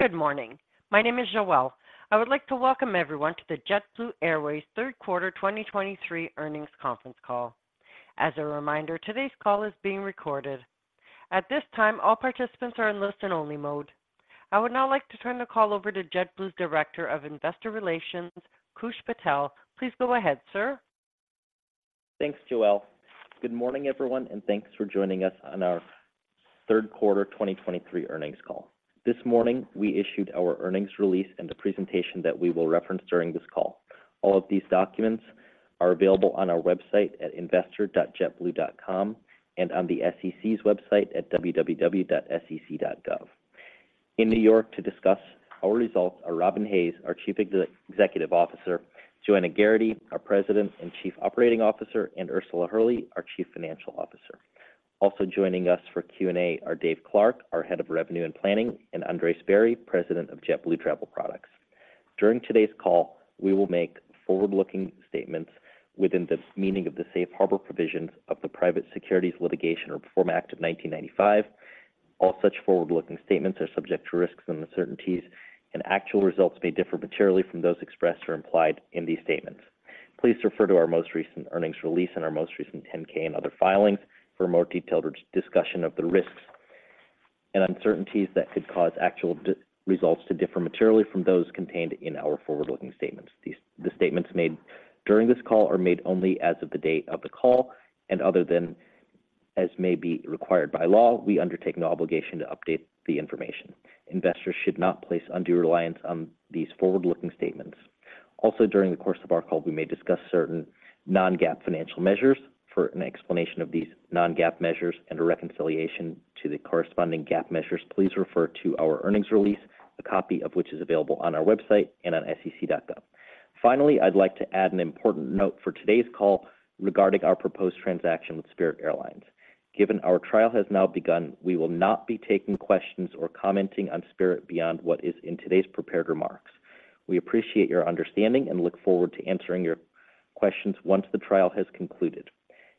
Good morning. My name is Joelle. I would like to welcome everyone to the JetBlue Airways Q3 2023 earnings conference call. As a reminder, today's call is being recorded. At this time, all participants are in listen-only mode. I would now like to turn the call over to JetBlue's Director of Investor Relations, Koosh Patel. Please go ahead, sir. Thanks, Joelle. Good morning, everyone, and thanks for joining us on our Q3 2023 earnings call. This morning, we issued our earnings release and the presentation that we will reference during this call. All of these documents are available on our website at investor.jetblue.com and on the SEC's website at www.sec.gov. In New York to discuss our results are Robin Hayes, our Chief Executive Officer, Joanna Geraghty, our President and Chief Operating Officer, and Ursula Hurley, our Chief Financial Officer. Also joining us for Q&A are Dave Clark, our Head of Revenue and Planning, and Andres Barry, President of JetBlue Travel Products. During today's call, we will make forward-looking statements within the meaning of the Safe Harbor provisions of the Private Securities Litigation Reform Act of 1995. All such forward-looking statements are subject to risks and uncertainties, and actual results may differ materially from those expressed or implied in these statements. Please refer to our most recent earnings release and our most recent 10-K and other filings for a more detailed discussion of the risks and uncertainties that could cause actual results to differ materially from those contained in our forward-looking statements. These statements made during this call are made only as of the date of the call, and other than as may be required by law, we undertake no obligation to update the information. Investors should not place undue reliance on these forward-looking statements. Also, during the course of our call, we may discuss certain non-GAAP financial measures. For an explanation of these non-GAAP measures and a reconciliation to the corresponding GAAP measures, please refer to our earnings release, a copy of which is available on our website and on SEC.gov. Finally, I'd like to add an important note for today's call regarding our proposed transaction with Spirit Airlines. Given our trial has now begun, we will not be taking questions or commenting on Spirit beyond what is in today's prepared remarks. We appreciate your understanding and look forward to answering your questions once the trial has concluded.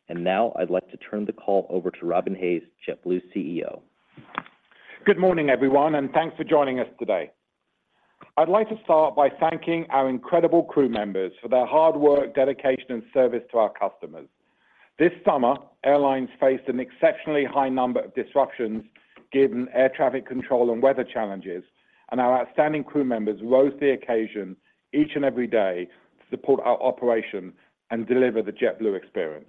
And now I'd like to turn the call over to Robin Hayes, JetBlue's CEO. Good morning, everyone, and thanks for joining us today. I'd like to start by thanking our incredible crew members for their hard work, dedication, and service to our customers. This summer, airlines faced an exceptionally high number of disruptions given air traffic control and weather challenges, and our outstanding crew members rose to the occasion each and every day to support our operation and deliver the JetBlue experience.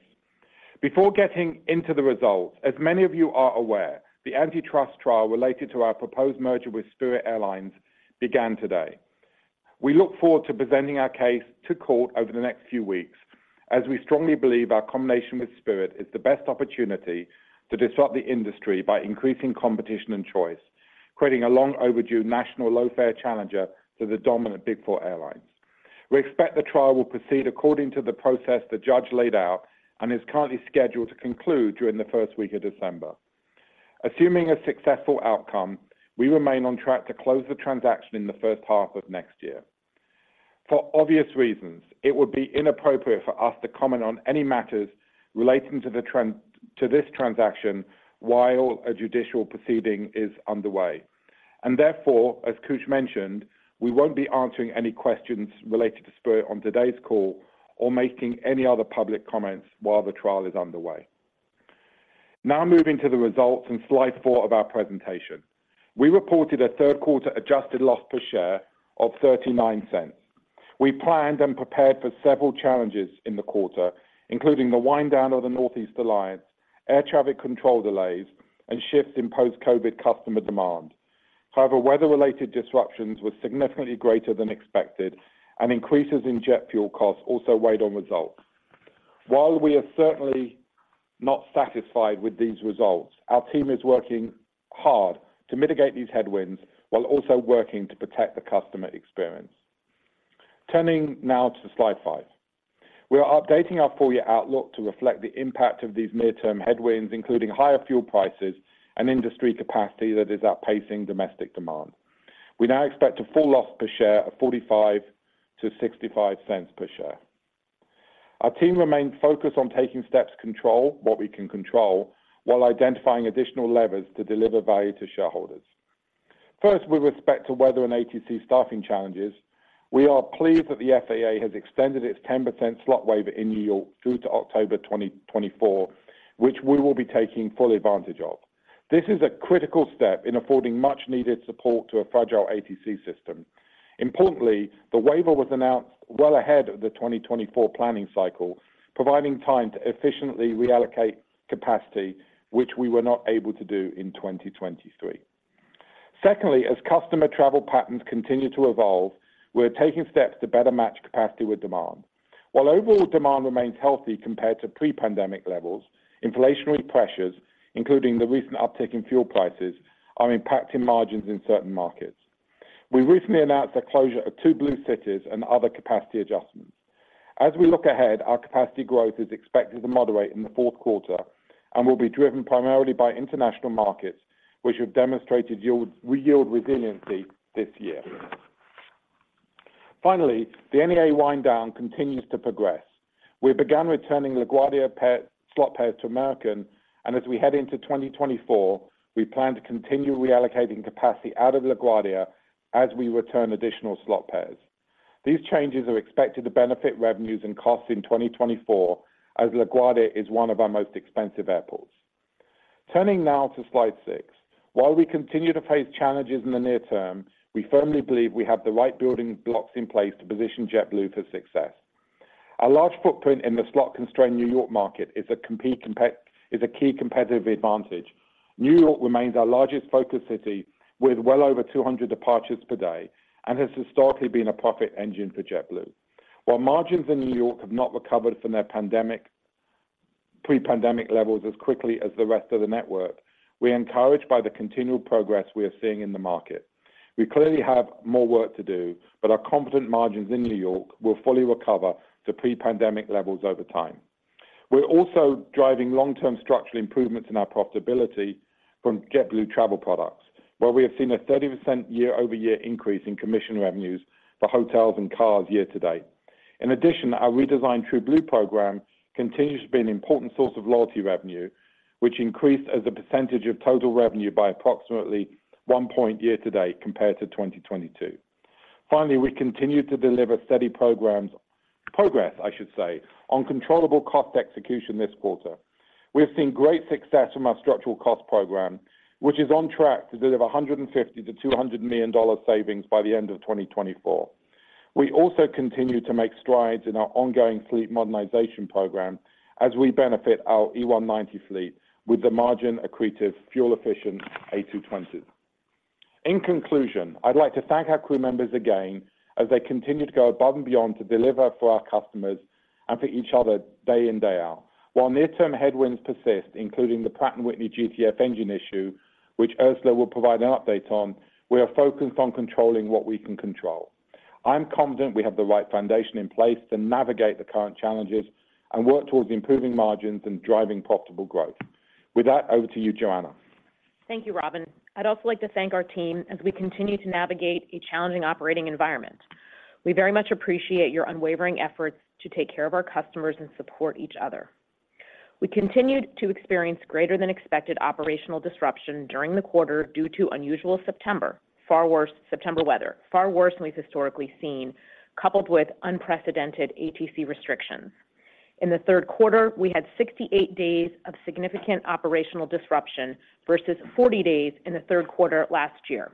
Before getting into the results, as many of you are aware, the antitrust trial related to our proposed merger with Spirit Airlines began today. We look forward to presenting our case to court over the next few weeks, as we strongly believe our combination with Spirit is the best opportunity to disrupt the industry by increasing competition and choice, creating a long-overdue national low-fare challenger to the dominant Big Four airlines. We expect the trial will proceed according to the process the judge laid out and is currently scheduled to conclude during the first week of December. Assuming a successful outcome, we remain on track to close the transaction in the first half of next year. For obvious reasons, it would be inappropriate for us to comment on any matters relating to the to this transaction while a judicial proceeding is underway, and therefore, as Koosh mentioned, we won't be answering any questions related to Spirit on today's call or making any other public comments while the trial is underway. Now, moving to the results on slide 4 of our presentation. We reported a Q3 adjusted loss per share of $0.39. We planned and prepared for several challenges in the quarter, including the wind down of the Northeast Alliance, air traffic control delays, and shifts in post-COVID customer demand. However, weather-related disruptions were significantly greater than expected, and increases in jet fuel costs also weighed on results. While we are certainly not satisfied with these results, our team is working hard to mitigate these headwinds while also working to protect the customer experience. Turning now to slide 5. We are updating our full-year outlook to reflect the impact of these midterm headwinds, including higher fuel prices and industry capacity that is outpacing domestic demand. We now expect a full-year loss per share of $0.45-$0.65. Our team remains focused on taking steps to control what we can control while identifying additional levers to deliver value to shareholders. First, with respect to weather and ATC staffing challenges, we are pleased that the FAA has extended its 10% slot waiver in New York through to October 2024, which we will be taking full advantage of. This is a critical step in affording much-needed support to a fragile ATC system. Importantly, the waiver was announced well ahead of the 2024 planning cycle, providing time to efficiently reallocate capacity, which we were not able to do in 2023. Secondly, as customer travel patterns continue to evolve, we're taking steps to better match capacity with demand. While overall demand remains healthy compared to pre-pandemic levels, inflationary pressures, including the recent uptick in fuel prices, are impacting margins in certain markets. We recently announced the closure of two Blue Cities and other capacity adjustments. As we look ahead, our capacity growth is expected to moderate in the Q4 and will be driven primarily by international markets, which have demonstrated yield resiliency this year. Finally, the NEA wind down continues to progress. We began returning LaGuardia slot pair to American, and as we head into 2024, we plan to continue reallocating capacity out of LaGuardia as we return additional slot pairs. These changes are expected to benefit revenues and costs in 2024, as LaGuardia is one of our most expensive airports. Turning now to slide 6. While we continue to face challenges in the near term, we firmly believe we have the right building blocks in place to position JetBlue for success. Our large footprint in the slot-constrained New York market is a key competitive advantage. New York remains our largest focus city, with well over 200 departures per day and has historically been a profit engine for JetBlue. While margins in New York have not recovered from their pandemic, pre-pandemic levels as quickly as the rest of the network, we are encouraged by the continual progress we are seeing in the market. We clearly have more work to do, but our comparable margins in New York will fully recover to pre-pandemic levels over time. We're also driving long-term structural improvements in our profitability from JetBlue Travel Products, where we have seen a 30% year-over-year increase in commission revenues for hotels and cars year to date. In addition, our redesigned TrueBlue program continues to be an important source of loyalty revenue, which increased as a percentage of total revenue by approximately one point year to date compared to 2022. Finally, we continue to deliver steady programs, progress, I should say, on controllable cost execution this quarter. We have seen great success from our structural cost program, which is on track to deliver $150-$200 million savings by the end of 2024. We also continue to make strides in our ongoing fleet modernization program as we benefit our E190 fleet with the margin-accretive, fuel-efficient A220s. In conclusion, I'd like to thank our crew members again as they continue to go above and beyond to deliver for our customers and for each other day in, day out. While near-term headwinds persist, including the Pratt & Whitney GTF engine issue, which Ursula will provide an update on, we are focused on controlling what we can control. I'm confident we have the right foundation in place to navigate the current challenges and work towards improving margins and driving profitable growth. With that, over to you, Joanna. Thank you, Robin. I'd also like to thank our team as we continue to navigate a challenging operating environment. We very much appreciate your unwavering efforts to take care of our customers and support each other. We continued to experience greater than expected operational disruption during the quarter due to unusual September, far worse September weather, far worse than we've historically seen, coupled with unprecedented ATC restrictions. In the Q3, we had 68 days of significant operational disruption versus 40 days in the Q3 last year.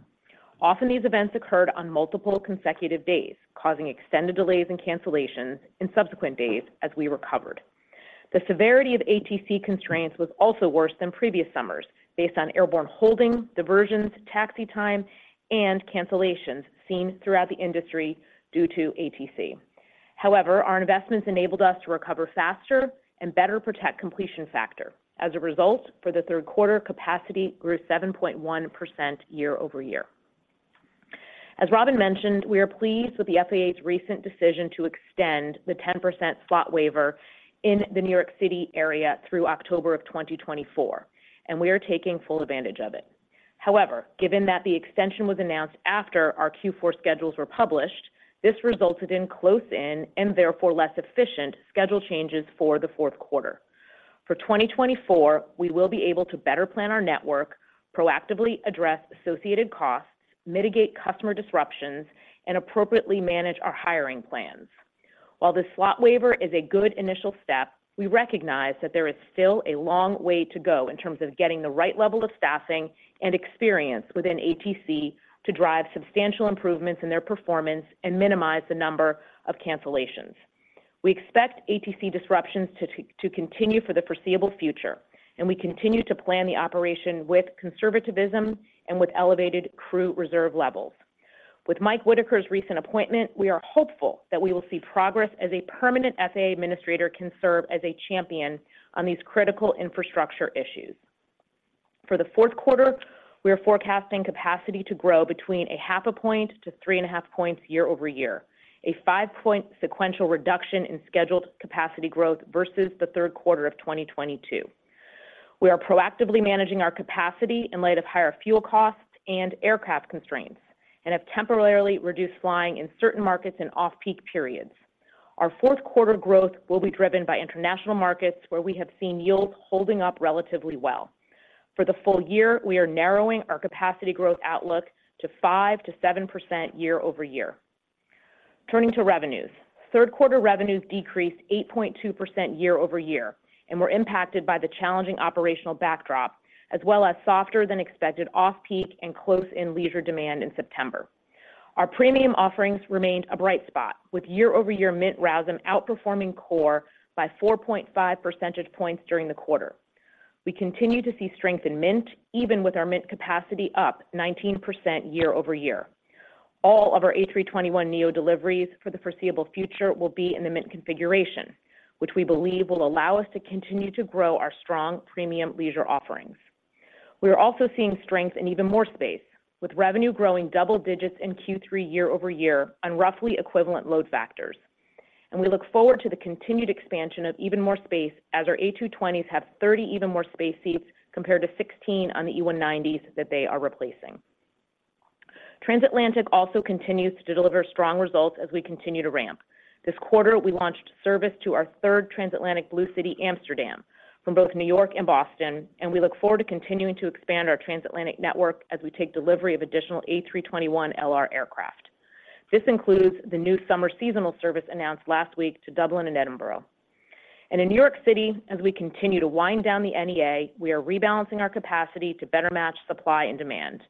Often, these events occurred on multiple consecutive days, causing extended delays and cancellations in subsequent days as we recovered. The severity of ATC constraints was also worse than previous summers, based on airborne holding, diversions, taxi time, and cancellations seen throughout the industry due to ATC. However, our investments enabled us to recover faster and better protect completion factor. As a result, for the Q3, capacity grew 7.1% year-over-year. As Robin mentioned, we are pleased with the FAA's recent decision to extend the 10% slot waiver in the New York City area through October of 2024, and we are taking full advantage of it. However, given that the extension was announced after our Q4 schedules were published, this resulted in close-in and therefore less efficient schedule changes for the Q4. For 2024, we will be able to better plan our network, proactively address associated costs, mitigate customer disruptions, and appropriately manage our hiring plans. While this slot waiver is a good initial step, we recognize that there is still a long way to go in terms of getting the right level of staffing and experience within ATC to drive substantial improvements in their performance and minimize the number of cancellations. We expect ATC disruptions to continue for the foreseeable future, and we continue to plan the operation with conservatism and with elevated crew reserve levels. With Mike Whitaker's recent appointment, we are hopeful that we will see progress as a permanent FAA administrator can serve as a champion on these critical infrastructure issues. For the Q4, we are forecasting capacity to grow between 0.5-3.5 points year-over-year, a five-point sequential reduction in scheduled capacity growth versus the Q3 of 2022. We are proactively managing our capacity in light of higher fuel costs and aircraft constraints and have temporarily reduced flying in certain markets in off-peak periods. Our Q4 growth will be driven by international markets, where we have seen yields holding up relatively well. For the full year, we are narrowing our capacity growth outlook to 5%-7% year-over-year. Turning to revenues. Q3 revenues decreased 8.2% year-over-year and were impacted by the challenging operational backdrop, as well as softer than expected off-peak and close-in leisure demand in September. Our premium offerings remained a bright spot, with year-over-year Mint RASM outperforming core by 4.5 percentage points during the quarter. We continue to see strength in Mint, even with our Mint capacity up 19% year-over-year. All of our A321neo deliveries for the foreseeable future will be in the Mint configuration, which we believe will allow us to continue to grow our strong premium leisure offerings. We are also seeing strength in Even More Space, with revenue growing double digits in Q3 year-over-year on roughly equivalent load factors, and we look forward to the continued expansion of Even More Space as our A220s have 30 Even More Space seats, compared to 16 on the E190s that they are replacing. Transatlantic also continues to deliver strong results as we continue to ramp. This quarter, we launched service to our third transatlantic Blue City, Amsterdam, from both New York and Boston, and we look forward to continuing to expand our transatlantic network as we take delivery of additional A321LR aircraft. This includes the new summer seasonal service announced last week to Dublin and Edinburgh. In New York City, as we continue to wind down the NEA, we are rebalancing our capacity to better match supply and demand.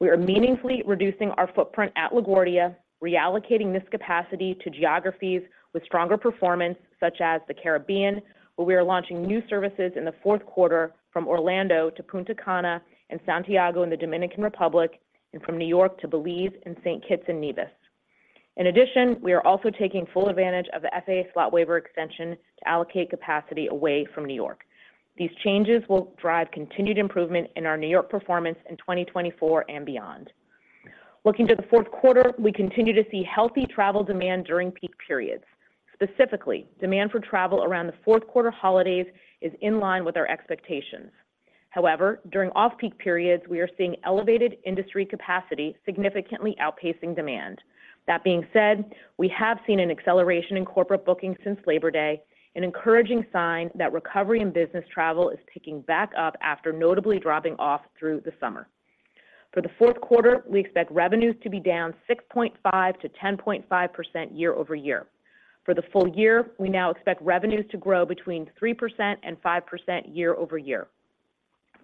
We are meaningfully reducing our footprint at LaGuardia, reallocating this capacity to geographies with stronger performance, such as the Caribbean, where we are launching new services in the Q4 from Orlando to Punta Cana and Santiago in the Dominican Republic, and from New York to Belize and St. Kitts and Nevis. In addition, we are also taking full advantage of the FAA slot waiver extension to allocate capacity away from New York. These changes will drive continued improvement in our New York performance in 2024 and beyond. Looking to the Q4, we continue to see healthy travel demand during peak periods. Specifically, demand for travel around the Q4 holidays is in line with our expectations. However, during off-peak periods, we are seeing elevated industry capacity significantly outpacing demand. That being said, we have seen an acceleration in corporate bookings since Labor Day, an encouraging sign that recovery in business travel is picking back up after notably dropping off through the summer. For the Q4, we expect revenues to be down 6.5%-10.5% year-over-year. For the full year, we now expect revenues to grow between 3% and 5% year-over-year.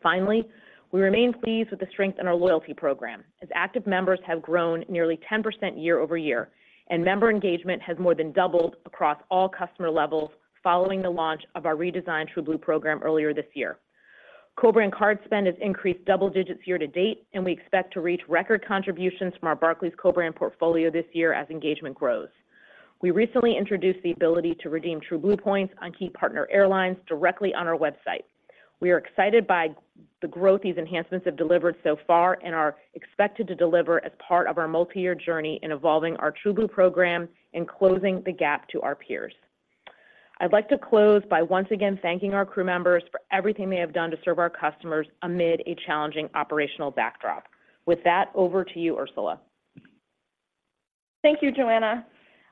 Finally, we remain pleased with the strength in our loyalty program, as active members have grown nearly 10% year-over-year, and member engagement has more than doubled across all customer levels following the launch of our redesigned TrueBlue program earlier this year. Co-brand card spend has increased double digits year to date, and we expect to reach record contributions from our Barclays co-brand portfolio this year as engagement grows. We recently introduced the ability to redeem TrueBlue points on key partner airlines directly on our website. We are excited by the growth these enhancements have delivered so far and are expected to deliver as part of our multi-year journey in evolving our TrueBlue program and closing the gap to our peers. I'd like to close by once again thanking our crew members for everything they have done to serve our customers amid a challenging operational backdrop. With that, over to you, Ursula. Thank you, Joanna.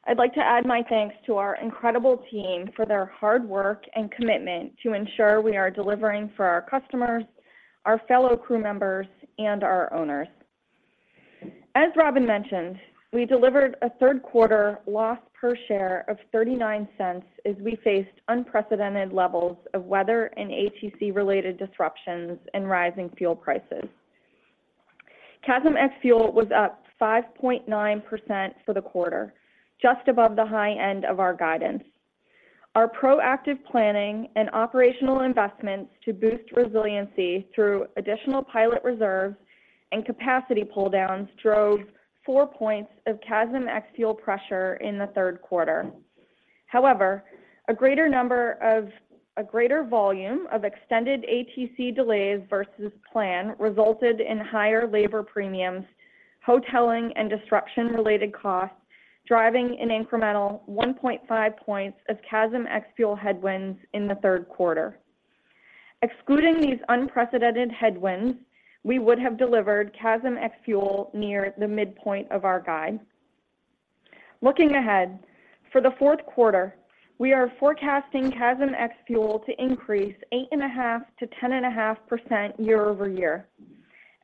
I'd like to add my thanks to our incredible team for their hard work and commitment to ensure we are delivering for our customers, our fellow crew members, and our owners. As Robin mentioned, we delivered a Q3 loss per share of $0.39 as we faced unprecedented levels of weather and ATC-related disruptions and rising fuel prices. CASM ex-fuel was up 5.9% for the quarter, just above the high end of our guidance. Our proactive planning and operational investments to boost resiliency through additional pilot reserves and capacity pulldowns drove 4 points of CASM ex-fuel pressure in the Q3. However, a greater volume of extended ATC delays versus plan resulted in higher labor premiums, hoteling, and disruption-related costs, driving an incremental 1.5 points of CASM ex-fuel headwinds in the Q3. Excluding these unprecedented headwinds, we would have delivered CASM ex-fuel near the midpoint of our guide. Looking ahead, for the Q4, we are forecasting CASM ex-fuel to increase 8.5%-10.5% year-over-year.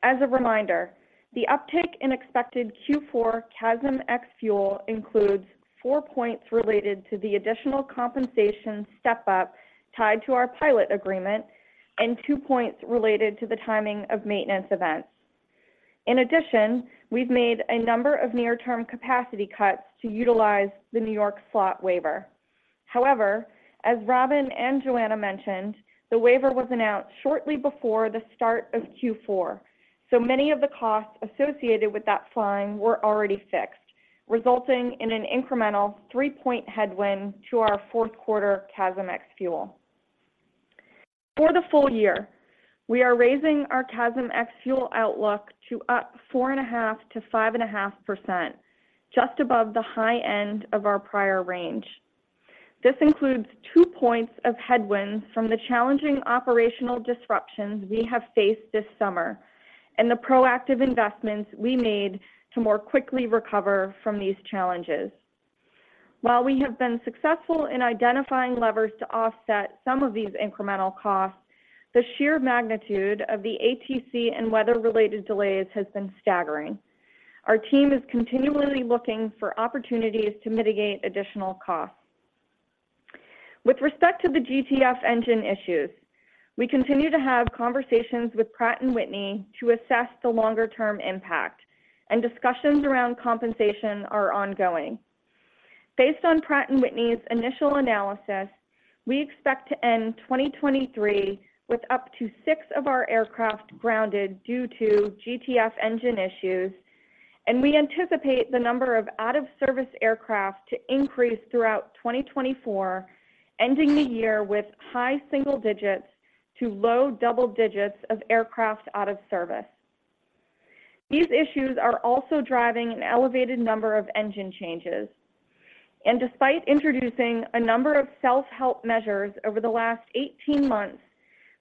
As a reminder, the uptick in expected Q4 CASM ex-fuel includes 4 points related to the additional compensation step-up tied to our pilot agreement and 2 points related to the timing of maintenance events. In addition, we've made a number of near-term capacity cuts to utilize the New York slot waiver. However, as Robin and Joanna mentioned, the waiver was announced shortly before the start of Q4, so many of the costs associated with that flying were already fixed, resulting in an incremental 3-point headwind to our Q4 CASM ex-fuel. For the full year, we are raising our CASM ex-fuel outlook to up 4.5%-5.5%, just above the high end of our prior range. This includes two points of headwinds from the challenging operational disruptions we have faced this summer and the proactive investments we made to more quickly recover from these challenges. While we have been successful in identifying levers to offset some of these incremental costs, the sheer magnitude of the ATC and weather-related delays has been staggering. Our team is continually looking for opportunities to mitigate additional costs. With respect to the GTF engine issues, we continue to have conversations with Pratt & Whitney to assess the longer-term impact, and discussions around compensation are ongoing. Based on Pratt & Whitney's initial analysis, we expect to end 2023 with up to 6 of our aircraft grounded due to GTF engine issues, and we anticipate the number of out-of-service aircraft to increase throughout 2024, ending the year with high single digits to low double digits of aircraft out of service... These issues are also driving an elevated number of engine changes. Despite introducing a number of self-help measures over the last 18 months,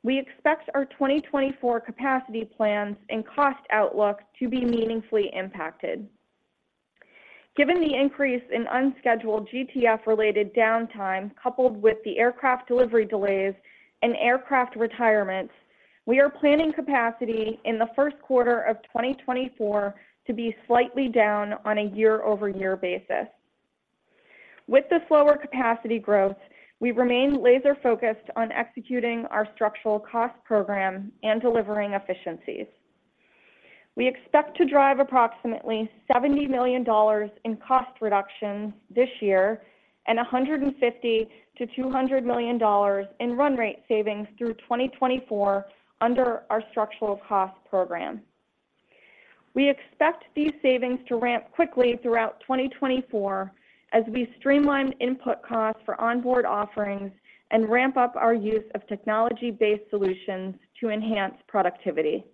we expect our 2024 capacity plans and cost outlook to be meaningfully impacted. Given the increase in unscheduled GTF-related downtime, coupled with the aircraft delivery delays and aircraft retirements, we are planning capacity in the Q1 of 2024 to be slightly down on a year-over-year basis. With the slower capacity growth, we remain laser-focused on executing our structural cost program and delivering efficiencies. We expect to drive approximately $70 million in cost reductions this year and $150 million-$200 million in run rate savings through 2024 under our structural cost program. We expect these savings to ramp quickly throughout 2024 as we streamline input costs for onboard offerings and ramp up our use of technology-based solutions to enhance productivity.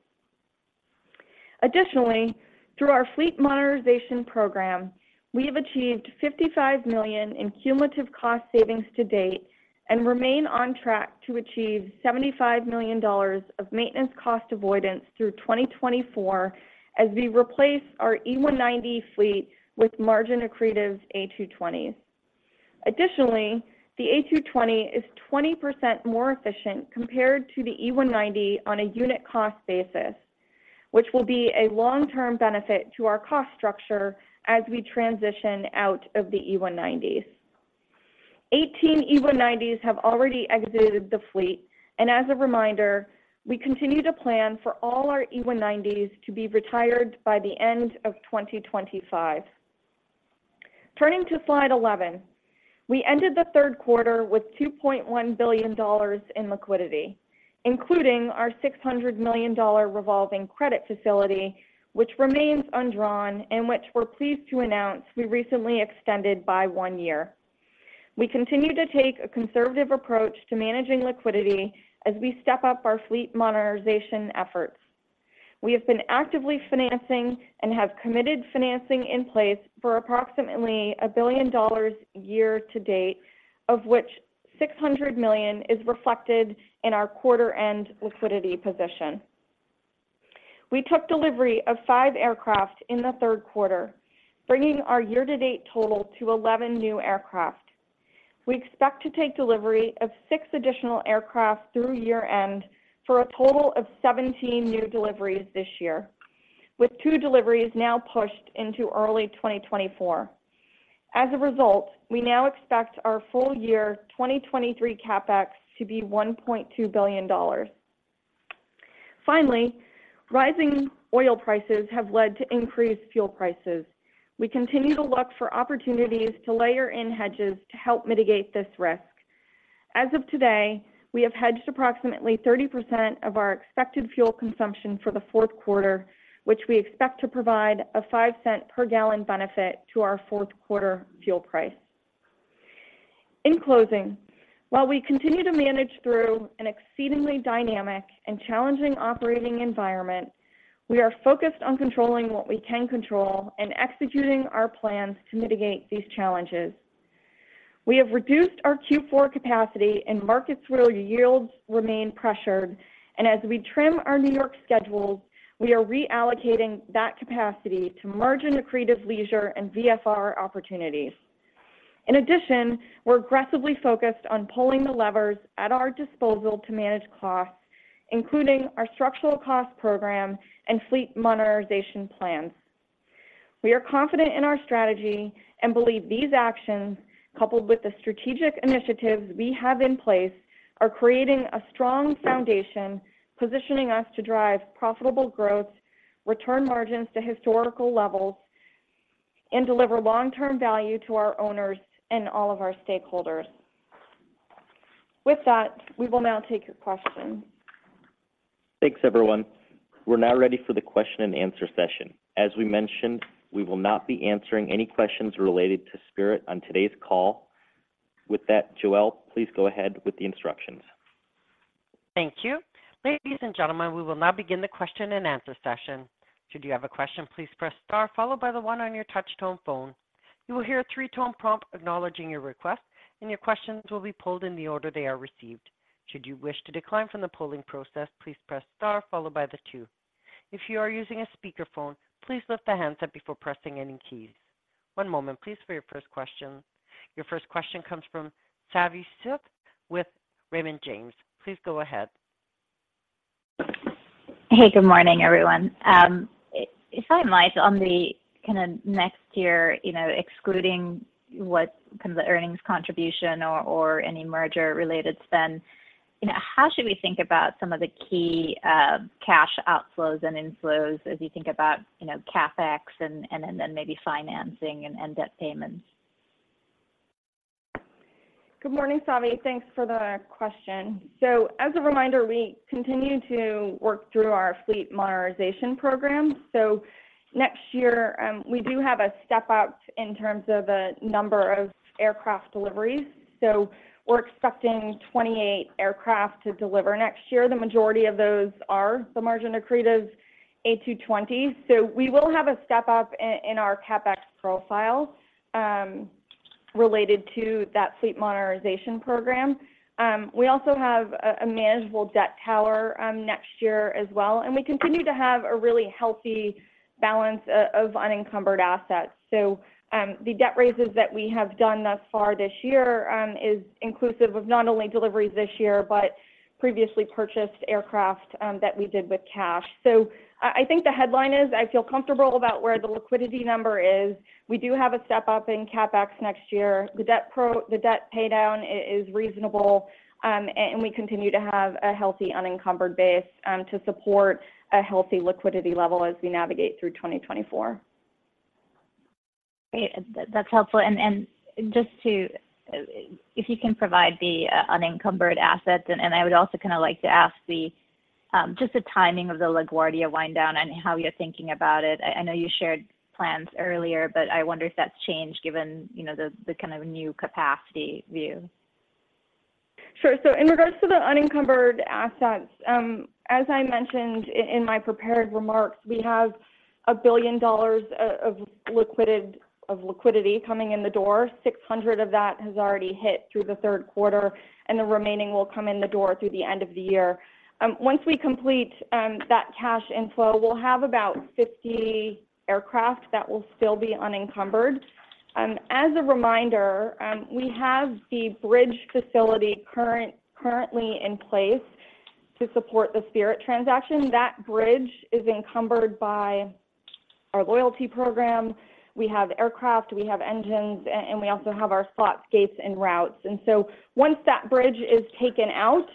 Additionally, through our fleet monetization program, we have achieved $55 million in cumulative cost savings to date and remain on track to achieve $75 million of maintenance cost avoidance through 2024 as we replace our E190 fleet with margin-accretive A220s. Additionally, the A220 is 20% more efficient compared to the E190 on a unit cost basis, which will be a long-term benefit to our cost structure as we transition out of the E190s. 18 E190s have already exited the fleet, and as a reminder, we continue to plan for all our E190s to be retired by the end of 2025. Turning to slide 11, we ended the Q3 with $2.1 billion in liquidity, including our $600 million revolving credit facility, which remains undrawn and which we're pleased to announce we recently extended by one year. We continue to take a conservative approach to managing liquidity as we step up our fleet monetization efforts. We have been actively financing and have committed financing in place for approximately $1 billion year to date, of which $600 million is reflected in our quarter-end liquidity position. We took delivery of five aircraft in the Q3, bringing our year-to-date total to 11 new aircraft. We expect to take delivery of 6 additional aircraft through year-end, for a total of 17 new deliveries this year, with 2 deliveries now pushed into early 2024. As a result, we now expect our full year 2023 CapEx to be $1.2 billion. Finally, rising oil prices have led to increased fuel prices. We continue to look for opportunities to layer in hedges to help mitigate this risk. As of today, we have hedged approximately 30% of our expected fuel consumption for the Q4, which we expect to provide a $0.05 per gallon benefit to our Q4 fuel price. In closing, while we continue to manage through an exceedingly dynamic and challenging operating environment, we are focused on controlling what we can control and executing our plans to mitigate these challenges. We have reduced our Q4 capacity in markets where yields remain pressured, and as we trim our New York schedules, we are reallocating that capacity to margin-accretive leisure and VFR opportunities. In addition, we're aggressively focused on pulling the levers at our disposal to manage costs, including our structural cost program and fleet monetization plans. We are confident in our strategy and believe these actions, coupled with the strategic initiatives we have in place, are creating a strong foundation, positioning us to drive profitable growth, return margins to historical levels, and deliver long-term value to our owners and all of our stakeholders. With that, we will now take your questions. Thanks, everyone. We're now ready for the question-and-answer session. As we mentioned, we will not be answering any questions related to Spirit on today's call. With that, Joelle, please go ahead with the instructions. Thank you. Ladies and gentlemen, we will now begin the question-and-answer session. Should you have a question, please press star followed by the one on your touch tone phone. You will hear a three-tone prompt acknowledging your request, and your questions will be pulled in the order they are received. Should you wish to decline from the polling process, please press star followed by the two. If you are using a speakerphone, please lift the handset before pressing any keys. One moment, please, for your first question. Your first question comes from Savi Syth with Raymond James. Please go ahead. Hey, good morning, everyone. If I might, on the kind of next year, you know, excluding what kind of the earnings contribution or, or any merger-related spend, you know, how should we think about some of the key, cash outflows and inflows as you think about, you know, CapEx and, and then maybe financing and, and debt payments? Good morning, Savi. Thanks for the question. So as a reminder, we continue to work through our fleet monetization program. Next year, we do have a step-up in terms of the number of aircraft deliveries. So we're expecting 28 aircraft to deliver next year. The majority of those are the margin-accretive A220. So we will have a step-up in our CapEx profile related to that fleet modernization program. We also have a manageable debt tower next year as well, and we continue to have a really healthy balance of unencumbered assets. So the debt raises that we have done thus far this year is inclusive of not only deliveries this year, but previously purchased aircraft that we did with cash. So I think the headline is: I feel comfortable about where the liquidity number is. We do have a step-up in CapEx next year. The debt paydown is reasonable, and we continue to have a healthy, unencumbered base to support a healthy liquidity level as we navigate through 2024. Great. That's helpful. And just to, if you can provide the unencumbered assets, and I would also kind of like to ask just the timing of the LaGuardia wind down and how you're thinking about it. I know you shared plans earlier, but I wonder if that's changed, given, you know, the kind of new capacity view. Sure. So in regards to the unencumbered assets, as I mentioned in my prepared remarks, we have $1 billion of liquidity coming in the door. $600 million of that has already hit through the Q3, and the remaining will come in the door through the end of the year. Once we complete that cash inflow, we'll have about 50 aircraft that will still be unencumbered. As a reminder, we have the bridge facility currently in place to support the Spirit transaction. That bridge is encumbered by our loyalty program, we have aircraft, we have engines, and we also have our slot gates and routes. So once that bridge is taken out,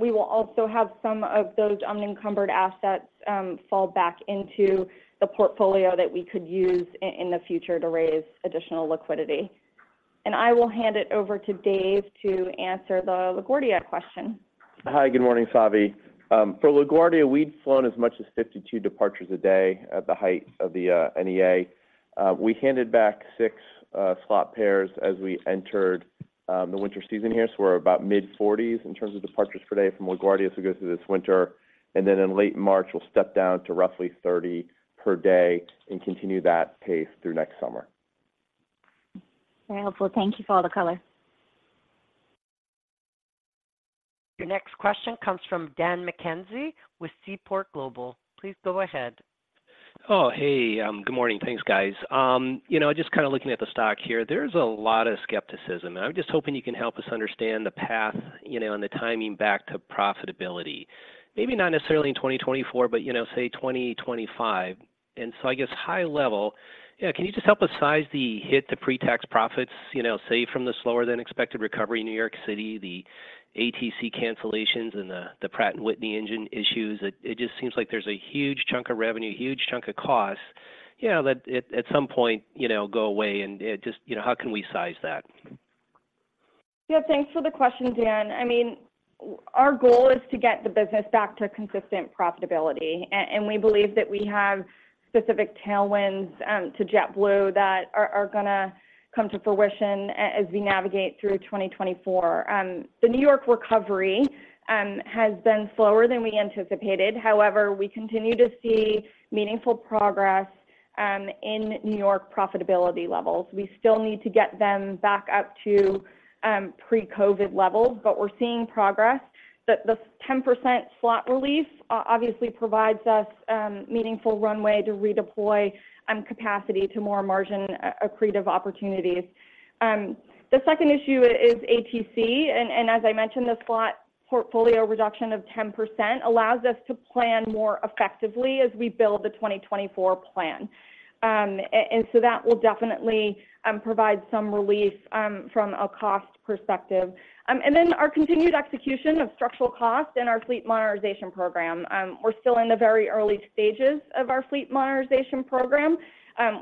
we will also have some of those unencumbered assets fall back into the portfolio that we could use in the future to raise additional liquidity. And I will hand it over to Dave to answer the LaGuardia question. Hi, good morning, Savi. For LaGuardia, we'd flown as much as 52 departures a day at the height of the NEA. We handed back 6 slot pairs as we entered the winter season here, so we're about mid-40s in terms of departures per day from LaGuardia as we go through this winter, and then in late March, we'll step down to roughly 30 per day and continue that pace through next summer. Very helpful. Thank you for all the color. Your next question comes from Daniel McKenzie with Seaport Global. Please go ahead. Good morning. Thanks, guys. You know, just kind of looking at the stock here, there's a lot of skepticism, and I'm just hoping you can help us understand the path, you know, and the timing back to profitability. Maybe not necessarily in 2024, but, you know, say 2025. And so I guess, high level, yeah, can you just help us size the hit to pre-tax profits, you know, say, from the slower than expected recovery in New York City, the ATC cancellations, and the Pratt &Whitney engine issues? It just seems like there's a huge chunk of revenue, a huge chunk of cost, you know, that at some point, you know, go away and just, you know, how can we size that? Yeah, thanks for the question, Dan. I mean, our goal is to get the business back to consistent profitability, and we believe that we have specific tailwinds to JetBlue that are gonna come to fruition as we navigate through 2024. The New York recovery has been slower than we anticipated. However, we continue to see meaningful progress in New York profitability levels. We still need to get them back up to pre-COVID levels, but we're seeing progress. The 10% slot relief obviously provides us meaningful runway to redeploy capacity to more margin accretive opportunities. The second issue is ATC, and as I mentioned, the slot portfolio reduction of 10% allows us to plan more effectively as we build the 2024 plan. And so that will definitely provide some relief from a cost perspective. And then our continued execution of structural costs and our fleet modernization program. We're still in the very early stages of our fleet modernization program.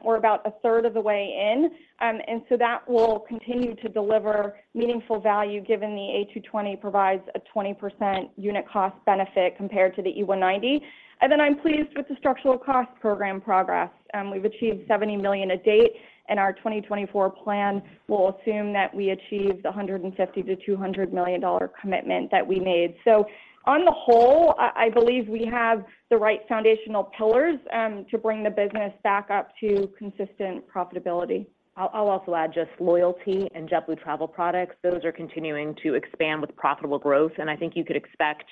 We're about a third of the way in. And so that will continue to deliver meaningful value, given the A220 provides a 20% unit cost benefit compared to the E190. And then I'm pleased with the structural cost program progress. We've achieved $70 million to date, and our 2024 plan will assume that we achieve the $150 million-$200 million commitment that we made. So on the whole, I believe we have the right foundational pillars to bring the business back up to consistent profitability. I'll also add just loyalty and JetBlue Travel Products. Those are continuing to expand with profitable growth, and I think you could expect,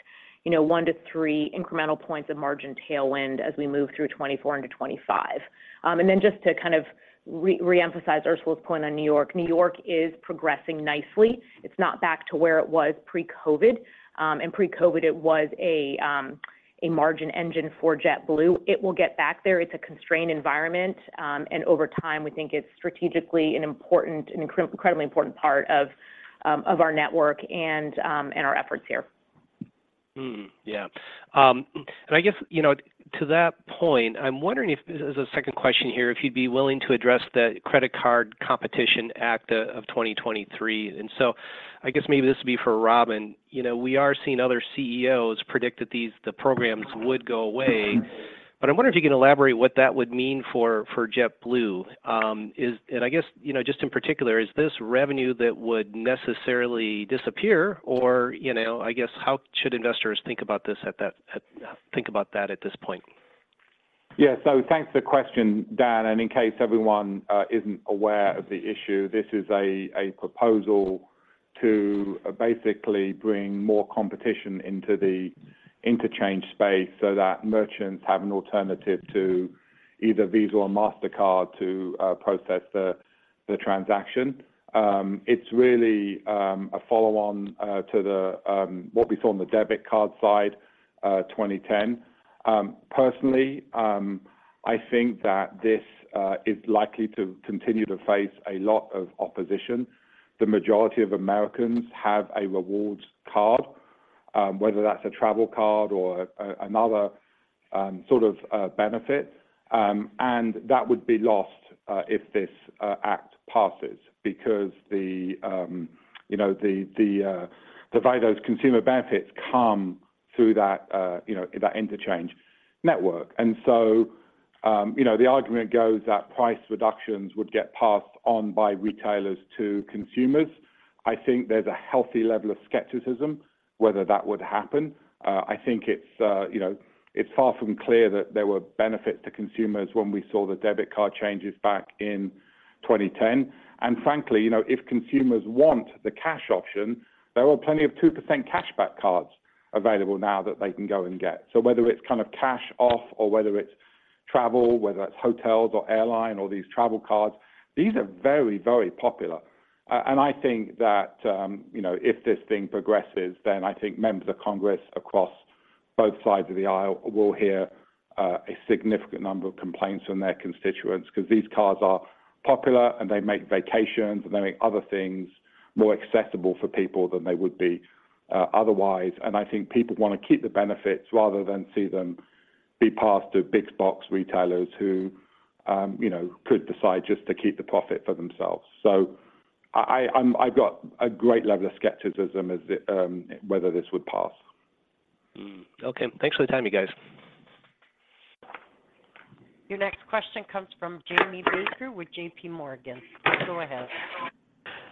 you know, 1-3 incremental points of margin tailwind as we move through 2024 into 2025. And then just to kind of re-emphasize Ursula's point on New York: New York is progressing nicely. It's not back to where it was pre-COVID, and pre-COVID, it was a margin engine for JetBlue. It will get back there. It's a constrained environment, and over time, we think it's strategically an important, incredibly important part of our network and our efforts here. ... Yeah. And I guess, you know, to that point, I'm wondering if, as a second question here, if you'd be willing to address the Credit Card Competition Act of 2023. And so I guess maybe this would be for Robin. You know, we are seeing other CEOs predict that these programs would go away, but I wonder if you can elaborate what that would mean for JetBlue. And I guess, you know, just in particular, is this revenue that would necessarily disappear? Or, you know, I guess, how should investors think about that at this point? Yeah. So thanks for the question, Dan, and in case everyone isn't aware of the issue, this is a proposal to basically bring more competition into the interchange space so that merchants have an alternative to either Visa or Mastercard to process the transaction. It's really a follow-on to what we saw on the debit card side, 2010. Personally, I think that this is likely to continue to face a lot of opposition. The majority of Americans have a rewards card, whether that's a travel card or another sort of benefit, and that would be lost if this act passes. Because you know, the way those consumer benefits come through that, you know, that interchange network. And so, you know, the argument goes that price reductions would get passed on by retailers to consumers. I think there's a healthy level of skepticism whether that would happen. I think it's, you know, it's far from clear that there were benefits to consumers when we saw the debit card changes back in 2010. And frankly, you know, if consumers want the cash option, there are plenty of 2% cashback cards available now that they can go and get. So whether it's kind of cash off or whether it's travel, whether it's hotels or airline or these travel cards, these are very, very popular. And I think that, you know, if this thing progresses, then I think members of Congress across both sides of the aisle will hear a significant number of complaints from their constituents because these cards are popular, and they make vacations, and they make other things more accessible for people than they would be otherwise. And I think people want to keep the benefits rather than see them be passed to big box retailers who, you know, could decide just to keep the profit for themselves. So I've got a great level of skepticism as to whether this would pass. Mm. Okay. Thanks for the time, you guys. Your next question comes from Jamie Baker with J.P. Morgan. Go ahead.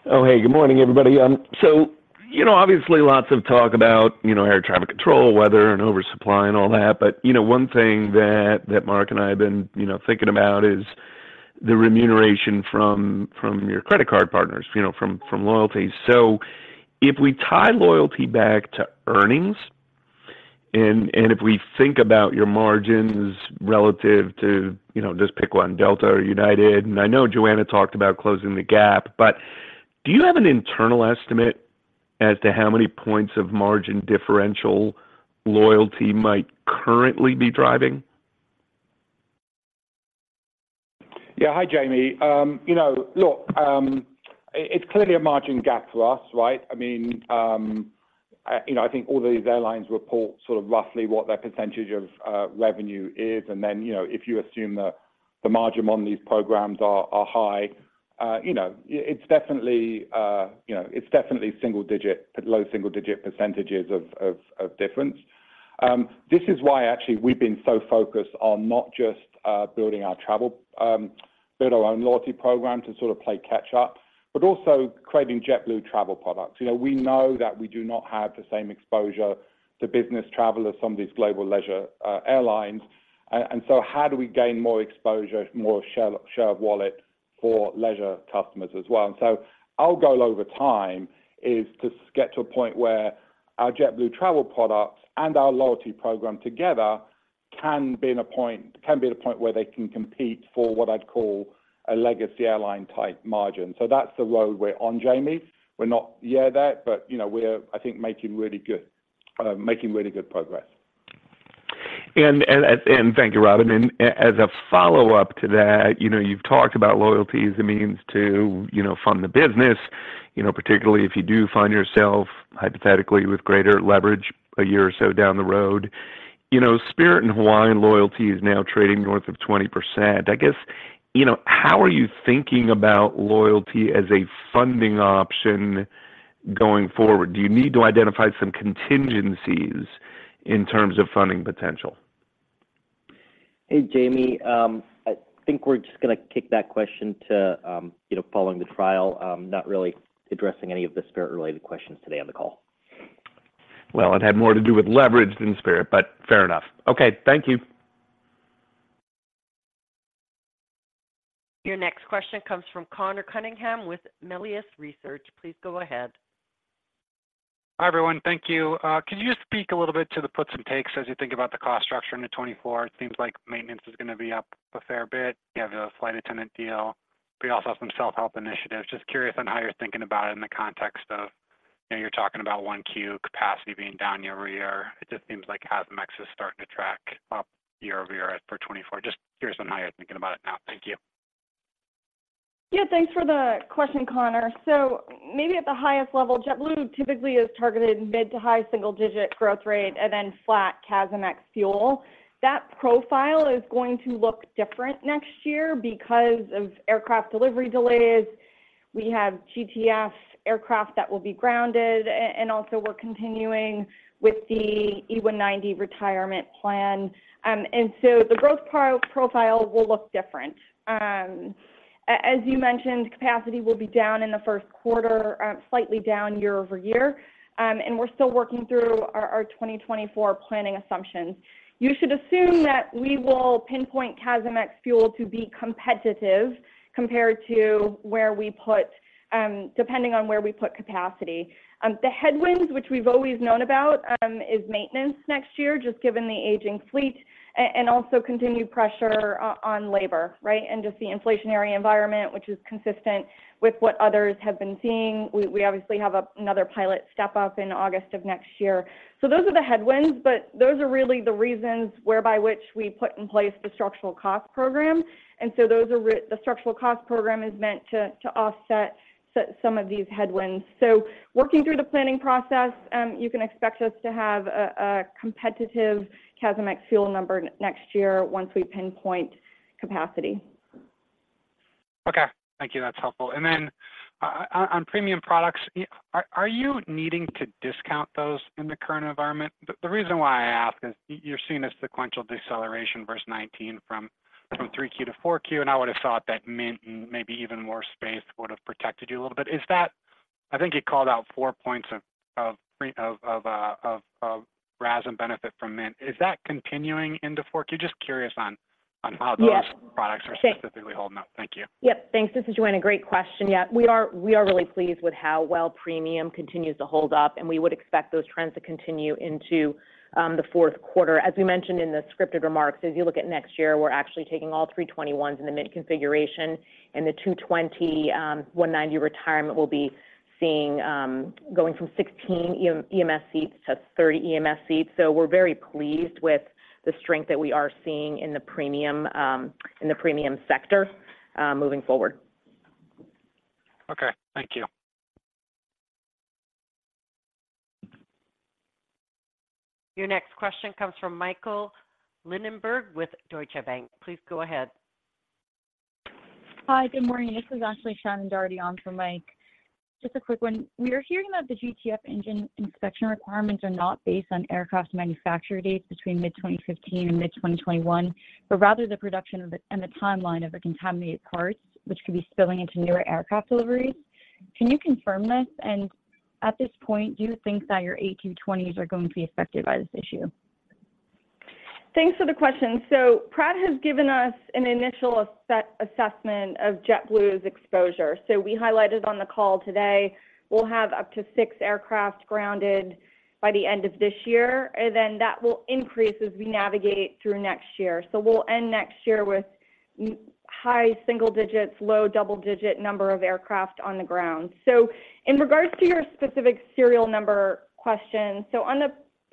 Oh, hey, good morning, everybody. So, you know, obviously lots of talk about, you know, air traffic control, weather, and oversupply and all that. But, you know, one thing that Mark and I have been, you know, thinking about is the remuneration from your credit card partners, you know, from loyalty. So if we tie loyalty back to earnings, and if we think about your margins relative to, you know, just pick one, Delta or United, and I know Joanna talked about closing the gap, but do you have an internal estimate as to how many points of margin differential loyalty might currently be driving? Yeah. Hi, Jamie. You know, look, it's clearly a margin gap to us, right? I mean, you know, I think all these airlines report sort of roughly what their percentage of revenue is, and then, you know, if you assume that the margin on these programs are high, you know, it's definitely single digit, low single digit percentages of difference. This is why actually we've been so focused on not just building our travel, build our own loyalty program to sort of play catch up, but also creating JetBlue Travel Products. You know, we know that we do not have the same exposure to business travel as some of these global leisure airlines. And so how do we gain more exposure, more share, share of wallet for leisure customers as well? And so our goal over time is to get to a point where our JetBlue Travel Products and our loyalty program together can be at a point where they can compete for what I'd call a legacy airline-type margin. So that's the road we're on, Jamie. We're not there yet, but you know, we're, I think, making really good progress. And thank you, Robin. As a follow-up to that, you know, you've talked about loyalties, the means to, you know, fund the business, you know, particularly if you do find yourself hypothetically with greater leverage a year or so down the road. You know, Spirit and Hawaiian loyalty is now trading north of 20%. I guess, you know, how are you thinking about loyalty as a funding option going forward? Do you need to identify some contingencies in terms of funding potential? Hey, Jamie. I think we're just going to kick that question to, you know, following the trial. I'm not really addressing any of the Spirit-related questions today on the call. Well, it had more to do with leverage than Spirit, but fair enough. Okay, thank you. Your next question comes from Conor Cunningham with Melius Research. Please go ahead. Hi, everyone. Thank you. Could you just speak a little bit to the puts and takes as you think about the cost structure into 2024? It seems like maintenance is going to be up a fair bit. You have the flight attendant deal, but you also have some self-help initiatives. Just curious on how you're thinking about it in the context of, you know, you're talking about 1Q capacity being down year-over-year. It just seems like CASM ex is starting to track up year-over-year as per 2024. Just curious on how you're thinking about it now. Thank you.... Yeah, thanks for the question, Conor. So maybe at the highest level, JetBlue typically has targeted mid to high single digit growth rate and then flat CASM ex-fuel. That profile is going to look different next year because of aircraft delivery delays. We have GTF aircraft that will be grounded, and also we're continuing with the E190 retirement plan. And so the growth profile will look different. As you mentioned, capacity will be down in the Q1, slightly down year-over-year, and we're still working through our 2024 planning assumptions. You should assume that we will pinpoint CASM ex-fuel to be competitive compared to where we put, depending on where we put capacity. The headwinds, which we've always known about, is maintenance next year, just given the aging fleet, and also continued pressure on labor, right? And just the inflationary environment, which is consistent with what others have been seeing. We obviously have another pilot step-up in August of next year. So those are the headwinds, but those are really the reasons whereby which we put in place the structural cost program, and so those are the structural cost program is meant to, to offset some of these headwinds. So working through the planning process, you can expect us to have a competitive CASM ex-fuel number next year once we pinpoint capacity. Okay. Thank you. That's helpful. And then, on premium products, are you needing to discount those in the current environment? The reason why I ask is you're seeing a sequential deceleration versus 2019 from 3Q to 4Q, and I would have thought that Mint and maybe Even More Space would have protected you a little bit. Is that. I think you called out four points of premium RASM benefit from Mint. Is that continuing into 4Q? Just curious on how- Yes... those products are specifically holding up. Thank you. Yep. Thanks. This is Joanna. Great question. Yeah, we are, we are really pleased with how well premium continues to hold up, and we would expect those trends to continue into the Q4. As we mentioned in the scripted remarks, as you look at next year, we're actually taking all 321s in the Mint configuration, and the 220 E190 retirement will be seeing going from 16 EMS seats to 30 EMS seats. So we're very pleased with the strength that we are seeing in the premium in the premium sector moving forward. Okay. Thank you. Your next question comes from Michael Linenberg with Deutsche Bank. Please go ahead. Hi, good morning. This is actually Shannon Doherty on for Mike. Just a quick one: We are hearing that the GTF engine inspection requirements are not based on aircraft manufacturer dates between mid-2015 and mid-2021, but rather the production of the, and the timeline of the contaminated parts, which could be spilling into newer aircraft deliveries. Can you confirm this? And at this point, do you think that your A220s are going to be affected by this issue? Thanks for the question. So Pratt has given us an initial asset assessment of JetBlue's exposure. So we highlighted on the call today, we'll have up to six aircraft grounded by the end of this year, and then that will increase as we navigate through next year. So we'll end next year with mid-high single digits, low double digit number of aircraft on the ground. So in regards to your specific serial number question, so on the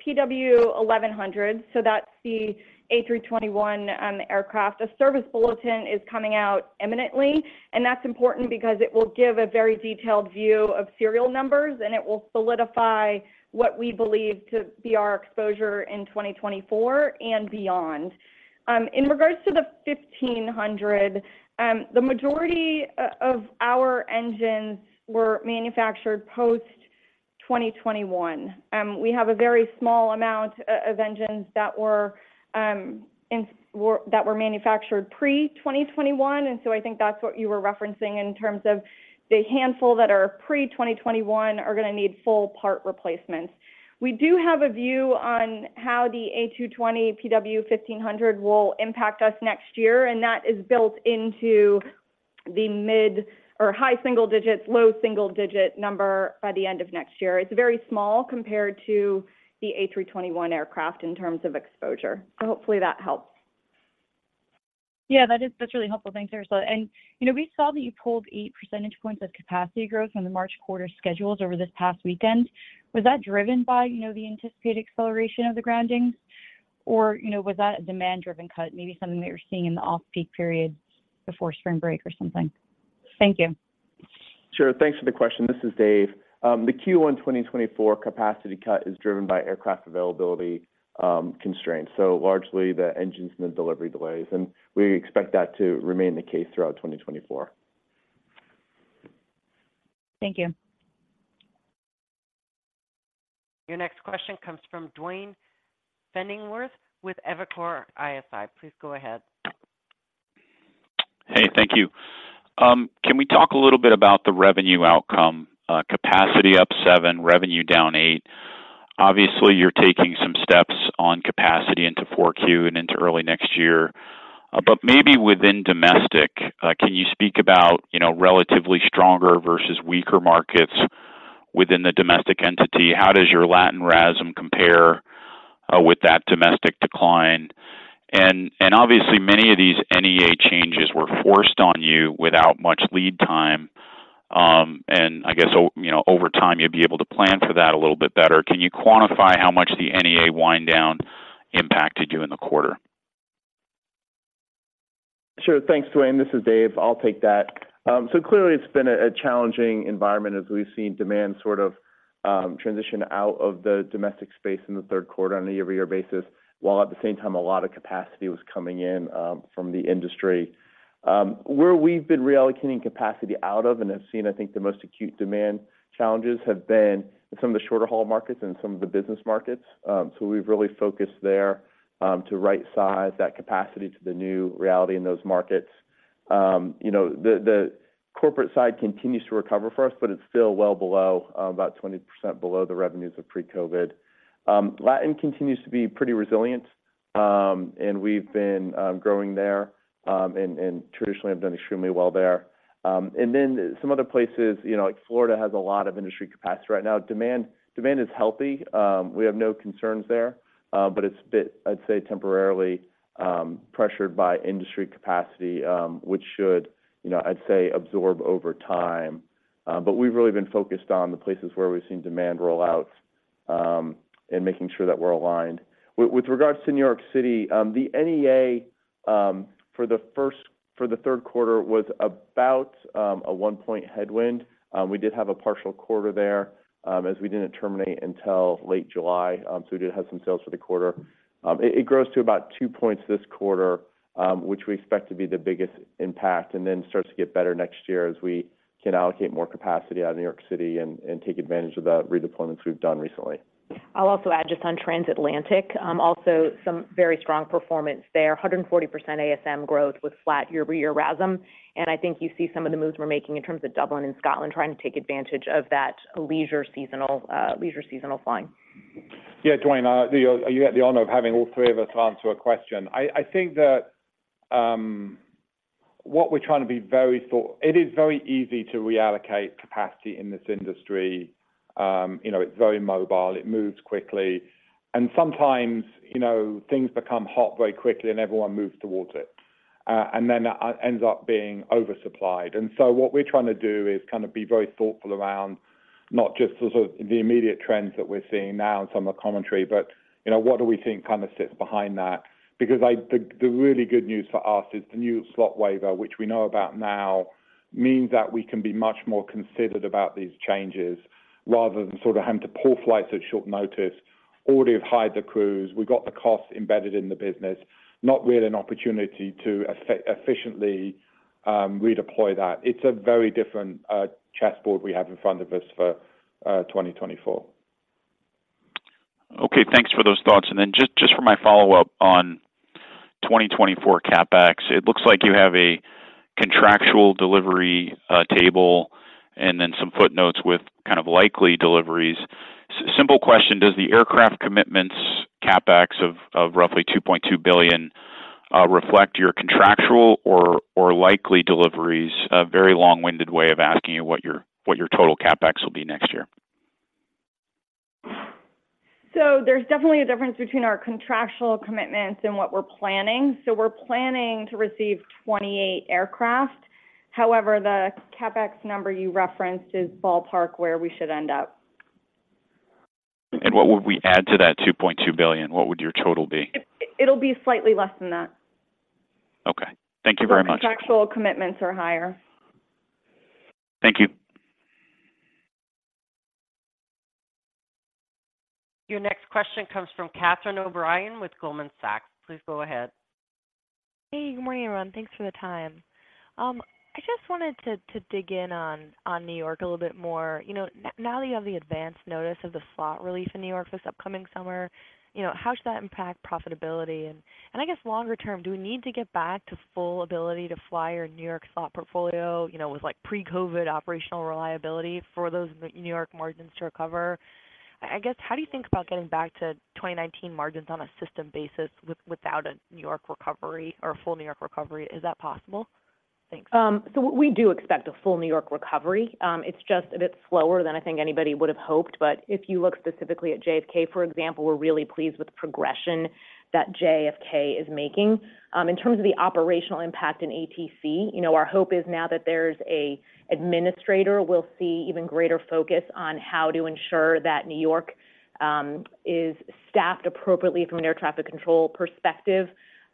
PW1100, so that's the A321 aircraft, a service bulletin is coming out imminently, and that's important because it will give a very detailed view of serial numbers, and it will solidify what we believe to be our exposure in 2024 and beyond. In regards to the 1500, the majority of our engines were manufactured post-2021. We have a very small amount of engines that were manufactured pre-2021, and so I think that's what you were referencing in terms of the handful that are pre-2021 are gonna need full part replacements. We do have a view on how the A220 PW1500 will impact us next year, and that is built into the mid or high single digits, low single digit number by the end of next year. It's very small compared to the A321 aircraft in terms of exposure. So hopefully that helps. Yeah, that's really helpful. Thanks, Ursula. And, you know, we saw that you pulled 8 percentage points of capacity growth from the March quarter schedules over this past weekend. Was that driven by, you know, the anticipated acceleration of the groundings? Or, you know, was that a demand-driven cut, maybe something that you're seeing in the off-peak period before spring break or something? Thank you. Sure. Thanks for the question. This is Dave. The Q1 2024 capacity cut is driven by aircraft availability, constraints, so largely the engines and the delivery delays, and we expect that to remain the case throughout 2024. Thank you. Your next question comes from Duane Pfennigwerth with Evercore ISI. Please go ahead. Hey, thank you. Can we talk a little bit about the revenue outcome, capacity up 7, revenue down 8? Obviously, you're taking some steps on capacity into Q4 and into early next year, but maybe within domestic, can you speak about, you know, relatively stronger versus weaker markets within the domestic entity? How does your Latin RASM compare with that domestic decline? And obviously, many of these NEA changes were forced on you without much lead time... and I guess, you know, over time, you'll be able to plan for that a little bit better. Can you quantify how much the NEA wind down impacted you in the quarter? Sure. Thanks, Duane. This is Dave. I'll take that. So clearly, it's been a challenging environment as we've seen demand sort of transition out of the domestic space in the Q3 on a year-over-year basis, while at the same time, a lot of capacity was coming in from the industry. Where we've been reallocating capacity out of, and have seen, I think, the most acute demand challenges have been in some of the shorter haul markets and some of the business markets. So we've really focused there to rightsize that capacity to the new reality in those markets. You know, the corporate side continues to recover for us, but it's still well below, about 20% below the revenues of pre-COVID. Latin continues to be pretty resilient, and we've been growing there, and traditionally have done extremely well there. And then some other places, you know, like Florida has a lot of industry capacity right now. Demand is healthy. We have no concerns there, but it's a bit, I'd say, temporarily pressured by industry capacity, which should, you know, I'd say, absorb over time. But we've really been focused on the places where we've seen demand roll out and making sure that we're aligned. With regards to New York City, the NEA for the Q3 was about a 1-point headwind. We did have a partial quarter there, as we didn't terminate until late July. So we did have some sales for the quarter. It grows to about two points this quarter, which we expect to be the biggest impact, and then starts to get better next year as we can allocate more capacity out of New York City and take advantage of the redeployments we've done recently. I'll also add just on transatlantic, also some very strong performance there. 140% ASM growth with flat year-over-year RASM. I think you see some of the moves we're making in terms of Dublin and Scotland, trying to take advantage of that leisure seasonal, leisure seasonal flying. Yeah, Duane, you have the honor of having all three of us answer a question. I think that what we're trying to be very thoughtful. It is very easy to reallocate capacity in this industry. You know, it's very mobile, it moves quickly, and sometimes, you know, things become hot very quickly and everyone moves towards it, and then ends up being oversupplied. And so what we're trying to do is kind of be very thoughtful around not just the sort of the immediate trends that we're seeing now in some of the commentary, but, you know, what do we think kind of sits behind that? Because the really good news for us is the new slot waiver, which we know about now, means that we can be much more considered about these changes rather than sort of having to pull flights at short notice, already have hired the crews. We've got the costs embedded in the business, not really an opportunity to efficiently redeploy that. It's a very different chessboard we have in front of us for 2024. Okay, thanks for those thoughts. And then just, just for my follow-up on 2024 CapEx, it looks like you have a contractual delivery table and then some footnotes with kind of likely deliveries. Simple question: Does the aircraft commitments CapEx of roughly $2.2 billion reflect your contractual or likely deliveries? A very long-winded way of asking you what your total CapEx will be next year. There's definitely a difference between our contractual commitments and what we're planning. We're planning to receive 28 aircraft. However, the CapEx number you referenced is ballpark, where we should end up. What would we add to that $2.2 billion? What would your total be? It'll be slightly less than that. Okay. Thank you very much. The contractual commitments are higher. Thank you. Your next question comes from Catherine O'Brien with Goldman Sachs. Please go ahead. Hey, good morning, everyone. Thanks for the time. I just wanted to dig in on New York a little bit more. You know, now that you have the advanced notice of the slot release in New York this upcoming summer, you know, how should that impact profitability? And, I guess longer term, do we need to get back to full ability to fly our New York slot portfolio, you know, with, like, pre-COVID operational reliability for those New York margins to recover? I guess, how do you think about getting back to 2019 margins on a system basis without a New York recovery or a full New York recovery? Is that possible? Thanks. So we do expect a full New York recovery. It's just a bit slower than I think anybody would have hoped. But if you look specifically at JFK, for example, we're really pleased with the progression that JFK is making. In terms of the operational impact in ATC, you know, our hope is now that there's an administrator, we'll see even greater focus on how to ensure that New York is staffed appropriately from an air traffic control perspective.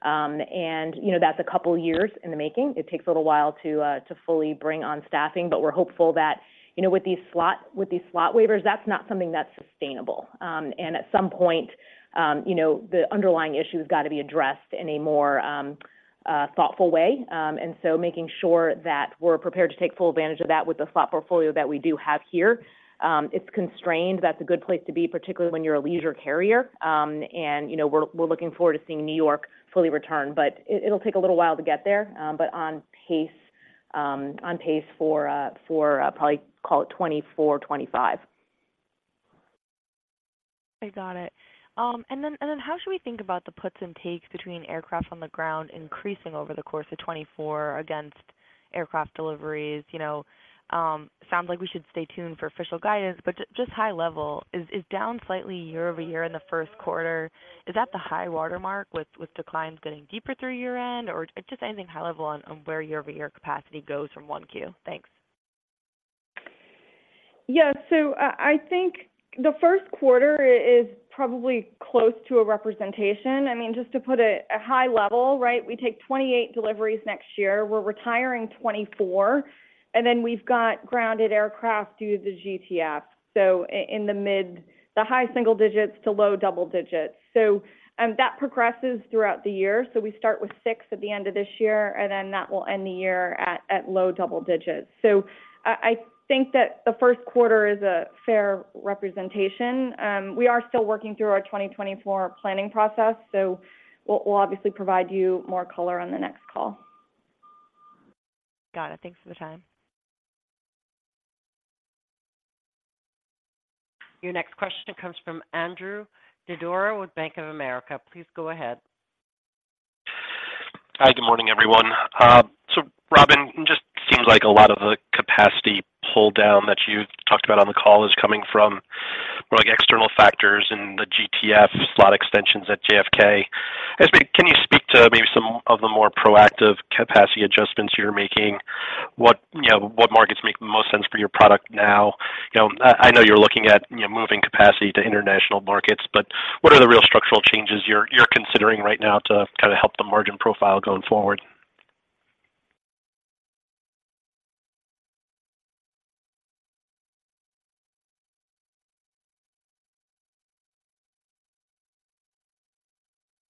And, you know, that's a couple of years in the making. It takes a little while to fully bring on staffing, but we're hopeful that, you know, with these slot waivers, that's not something that's sustainable. And at some point, you know, the underlying issues got to be addressed in a more thoughtful way. Making sure that we're prepared to take full advantage of that with the slot portfolio that we do have here, it's constrained. That's a good place to be, particularly when you're a leisure carrier. You know, we're looking forward to seeing New York fully return, but it'll take a little while to get there, but on pace for probably call it 2024, 2025. I got it. And then how should we think about the puts and takes between aircraft on the ground increasing over the course of 2024 against aircraft deliveries? You know, sounds like we should stay tuned for official guidance, but just high level, is down slightly year-over-year in the Q1, is that the high watermark with declines getting deeper through year end? Or just anything high level on where year-over-year capacity goes from 1Q? Thanks.... Yeah, so I think the Q1 is probably close to a representation. I mean, just to put it at high level, right? We take 28 deliveries next year, we're retiring 24, and then we've got grounded aircraft due to the GTF. So in the mid, the high single digits to low double digits. So that progresses throughout the year. So we start with 6 at the end of this year, and then that will end the year at low double digits. So I think that the Q1 is a fair representation. We are still working through our 2024 planning process, so we'll obviously provide you more color on the next call. Got it. Thanks for the time. Your next question comes from Andrew Didora with Bank of America. Please go ahead. Hi, good morning, everyone. So Robin, just seems like a lot of the capacity pull down that you talked about on the call is coming from more like external factors in the GTF slot extensions at JFK. Can you speak to maybe some of the more proactive capacity adjustments you're making? What, you know, what markets make the most sense for your product now? You know, I, I know you're looking at, you know, moving capacity to international markets, but what are the real structural changes you're, you're considering right now to kind of help the margin profile going forward?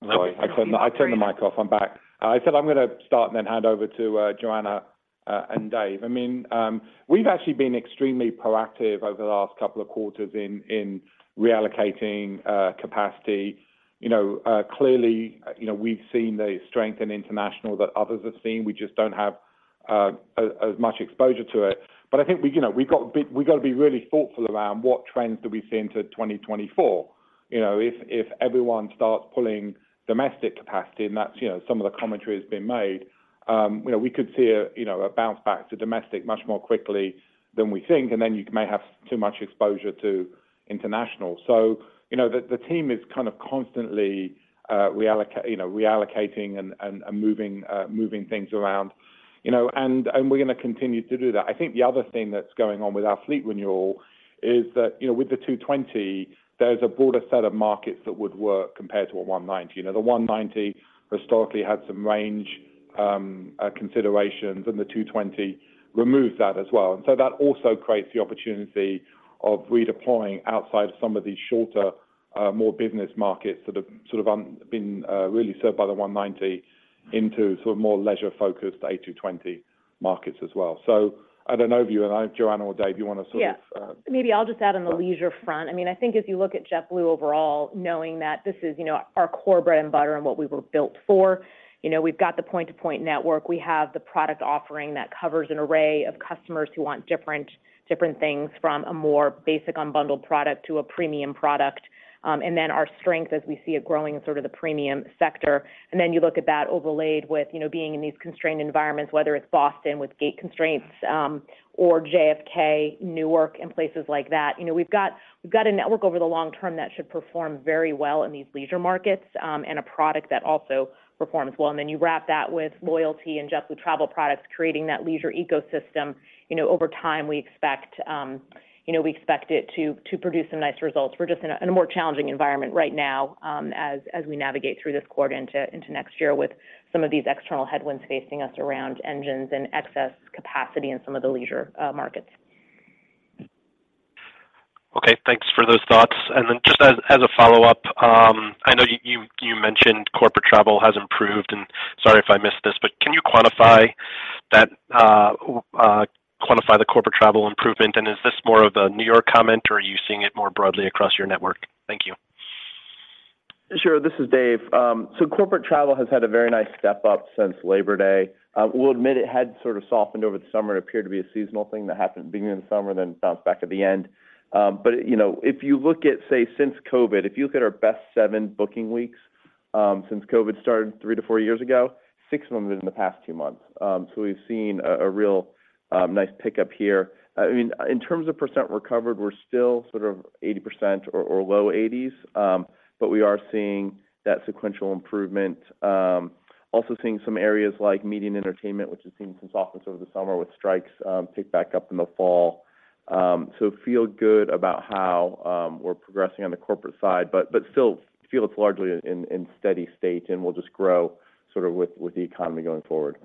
Sorry, I turned the mic off. I'm back. I said I'm gonna start and then hand over to Joanna and Dave. I mean, we've actually been extremely proactive over the last couple of quarters in reallocating capacity. You know, clearly, you know, we've seen the strength in international that others have seen. We just don't have as much exposure to it. But I think we, you know, we've got to be really thoughtful around what trends do we see into 2024. You know, if everyone starts pulling domestic capacity, and that's, you know, some of the commentary has been made, you know, we could see a bounce back to domestic much more quickly than we think, and then you may have too much exposure to international. So, you know, the team is kind of constantly reallocating and moving things around, you know, and we're gonna continue to do that. I think the other thing that's going on with our fleet renewal is that, you know, with the A220, there's a broader set of markets that would work compared to an E190. You know, the E190 historically had some range considerations, and the A220 removes that as well. So that also creates the opportunity of redeploying outside some of these shorter, more business markets that have sort of been really served by the E190 into sort of more leisure-focused A220 markets as well. So I don't know if you and I, Joanna or Dave, you want to sort of, Yeah. Maybe I'll just add on the leisure front. I mean, I think if you look at JetBlue overall, knowing that this is, you know, our core bread and butter and what we were built for, you know, we've got the point-to-point network, we have the product offering that covers an array of customers who want different, different things from a more basic unbundled product to a premium product. And then our strength as we see it growing in sort of the premium sector. And then you look at that overlaid with, you know, being in these constrained environments, whether it's Boston with gate constraints, or JFK, Newark, and places like that. You know, we've got, we've got a network over the long term that should perform very well in these leisure markets, and a product that also performs well. And then you wrap that with loyalty and JetBlue Travel Products, creating that leisure ecosystem. You know, over time, we expect, you know, we expect it to produce some nice results. We're just in a more challenging environment right now, as we navigate through this quarter into next year with some of these external headwinds facing us around engines and excess capacity in some of the leisure markets. Okay, thanks for those thoughts. And then just as a follow-up, I know you mentioned corporate travel has improved, and sorry if I missed this, but can you quantify that, quantify the corporate travel improvement? And is this more of a New York comment, or are you seeing it more broadly across your network? Thank you. Sure. This is Dave. So corporate travel has had a very nice step-up since Labor Day. We'll admit it had sort of softened over the summer. It appeared to be a seasonal thing that happened beginning in the summer, then bounced back at the end. But, you know, if you look at, say, since COVID, if you look at our best 7 booking weeks, since COVID started 3-4 years ago, 6 of them are in the past 2 months. So we've seen a real nice pickup here. I mean, in terms of percent recovered, we're still sort of 80% or low 80s, but we are seeing that sequential improvement. Also seeing some areas like media and entertainment, which has seen some softness over the summer with strikes, pick back up in the fall. So feel good about how we're progressing on the corporate side, but still feel it's largely in steady state and will just grow sort of with the economy going forward.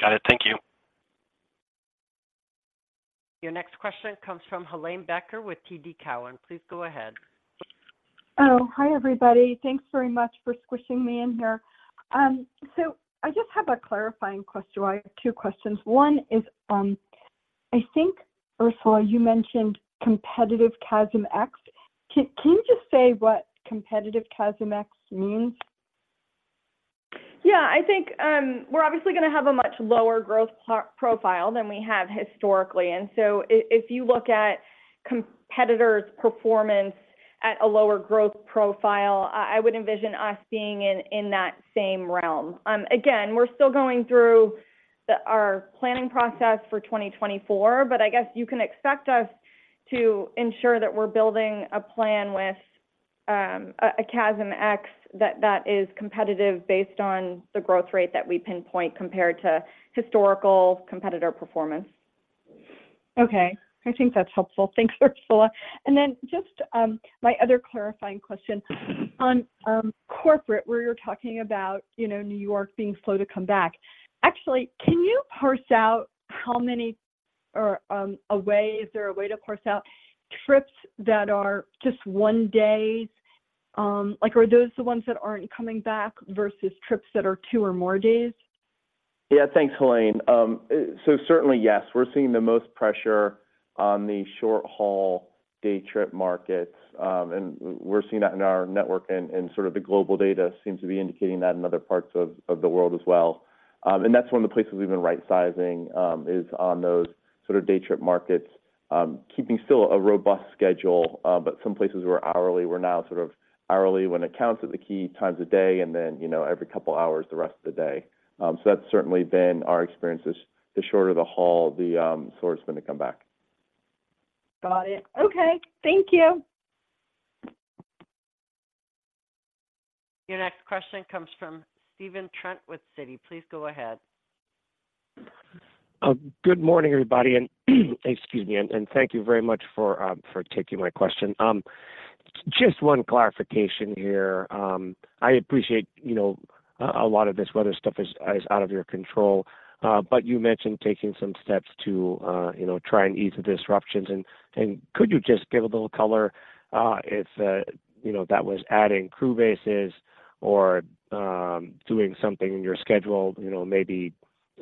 Got it. Thank you. Your next question comes from Helane Becker with TD Cowen. Please go ahead. Oh, hi, everybody. Thanks very much for squishing me in here. So I just have a clarifying question. Well, I have two questions. One is, I think, Ursula, you mentioned competitive CASM ex. Can you just say what competitive CASM ex means? Yeah, I think, we're obviously gonna have a much lower growth profile than we have historically. And so if you look at competitors' performance at a lower growth profile, I, I would envision us being in, in that same realm. Again, we're still going through the, our planning process for 2024, but I guess you can expect us to ensure that we're building a plan with, a, a CASM ex that, that is competitive based on the growth rate that we pinpoint compared to historical competitor performance. Okay. I think that's helpful. Thanks, Ursula. And then just, my other clarifying question: on, corporate, where you're talking about, you know, New York being slow to come back, actually, can you parse out how many or, a way, is there a way to parse out trips that are just one days? Like, are those the ones that aren't coming back versus trips that are two or more days? Yeah, thanks, Helaine. So certainly, yes, we're seeing the most pressure on the short-haul day trip markets. And we're seeing that in our network and sort of the global data seems to be indicating that in other parts of the world as well. And that's one of the places we've been right-sizing is on those sort of day trip markets. Keeping still a robust schedule, but some places were hourly, we're now sort of hourly when it counts at the key times of day, and then, you know, every couple of hours, the rest of the day. So that's certainly been our experience, is the shorter the haul, the slower it's going to come back. Got it. Okay. Thank you. Your next question comes from Stephen Trent with Citi. Please go ahead. Good morning, everybody, and excuse me, and thank you very much for taking my question. Just one clarification here. I appreciate, you know, a lot of this weather stuff is out of your control, but you mentioned taking some steps to, you know, try and ease the disruptions. And could you just give a little color, if you know, that was adding crew bases or doing something in your schedule, you know, maybe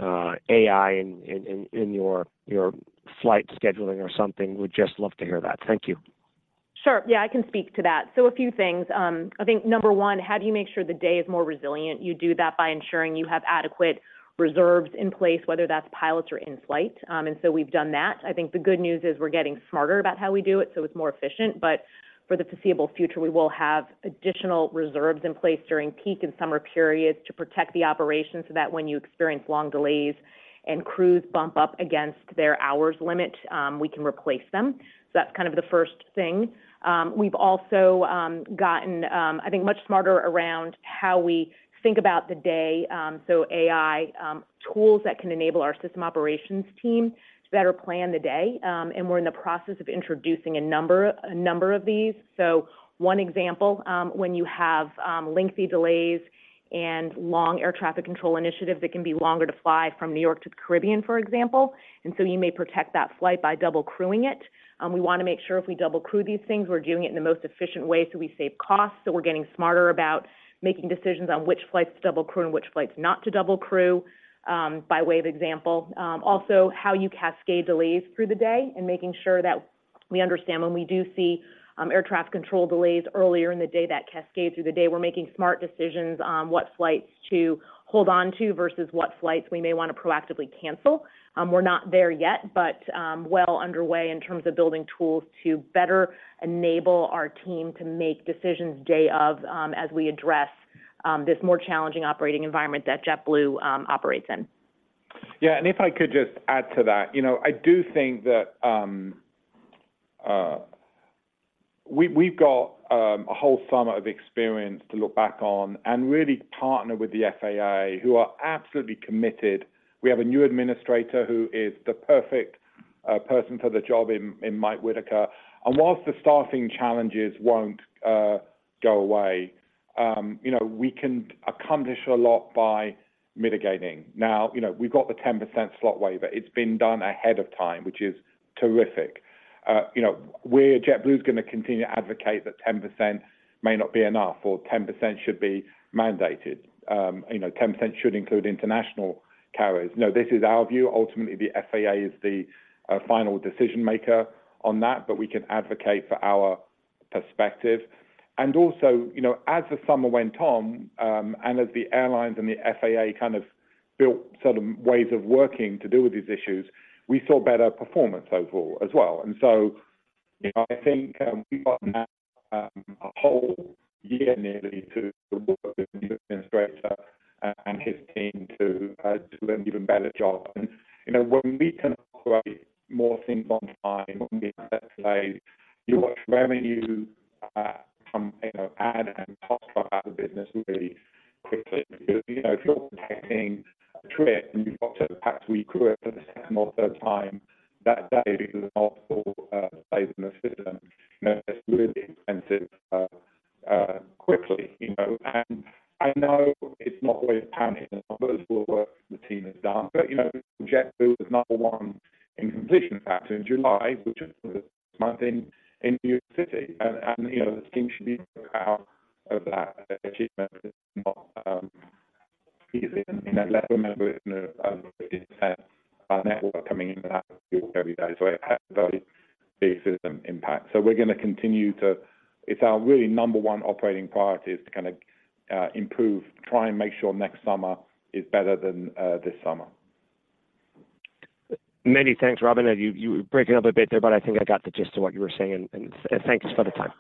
AI in your flight scheduling or something? Would just love to hear that. Thank you. Sure. Yeah, I can speak to that. So a few things. I think number one, how do you make sure the day is more resilient? You do that by ensuring you have adequate reserves in place, whether that's pilots or in flight. And so we've done that. I think the good news is we're getting smarter about how we do it, so it's more efficient. But for the foreseeable future, we will have additional reserves in place during peak and summer periods to protect the operation, so that when you experience long delays and crews bump up against their hours limit, we can replace them. So that's kind of the first thing. We've also gotten, I think, much smarter around how we think about the day. So AI tools that can enable our system operations team to better plan the day, and we're in the process of introducing a number of these. So one example, when you have lengthy delays and long air traffic control initiatives, it can be longer to fly from New York to the Caribbean, for example, and so you may protect that flight by double crewing it. We want to make sure if we double crew these things, we're doing it in the most efficient way, so we save costs. So we're getting smarter about making decisions on which flights to double crew and which flights not to double crew, by way of example. Also, how you cascade delays through the day and making sure that we understand when we do see air traffic control delays earlier in the day, that cascade through the day. We're making smart decisions on what flights to hold on to versus what flights we may want to proactively cancel. We're not there yet, but well underway in terms of building tools to better enable our team to make decisions day of, as we address this more challenging operating environment that JetBlue operates in. Yeah, and if I could just add to that. You know, I do think that we, we've got a whole summer of experience to look back on and really partner with the FAA, who are absolutely committed. We have a new administrator who is the perfect person for the job in Mike Whitaker. And whilst the staffing challenges won't go away, you know, we can accomplish a lot by mitigating. Now, you know, we've got the 10% slot waiver. It's been done ahead of time, which is terrific. You know, we at JetBlue is gonna continue to advocate that 10% may not be enough or 10% should be mandated. You know, 10% should include international carriers. No, this is our view. Ultimately, the FAA is the final decision-maker on that, but we can advocate for our perspective. And also, you know, as the summer went on, and as the airlines and the FAA kind of built sort of ways of working to deal with these issues, we saw better performance overall as well. And so, you know, I think, we got now, a whole year nearly to work with the new administrator and his team to, do an even better job. And, you know, when we can create more things on time, when we have delays, you watch revenue, from, you know, add and cost out of the business really quickly. You know, if you're taking a trip, and you've got to perhaps recruit for the second or third time that day because of multiple delays in the system, you know, it's really expensive quickly, you know? And I know it's not always panning, the numbers will work, the team has done. But, you know, JetBlue is number one in completion factor in July, which is the month in New York City. And, you know, the team should be proud of that achievement. It's not easy. And let's remember, it's a network coming in every day, so it has a big system impact. So we're gonna continue to... It's our really number one operating priority is to kind of improve, try and make sure next summer is better than this summer. Many thanks, Robin. You were breaking up a bit there, but I think I got the gist of what you were saying, and thanks for the time. ...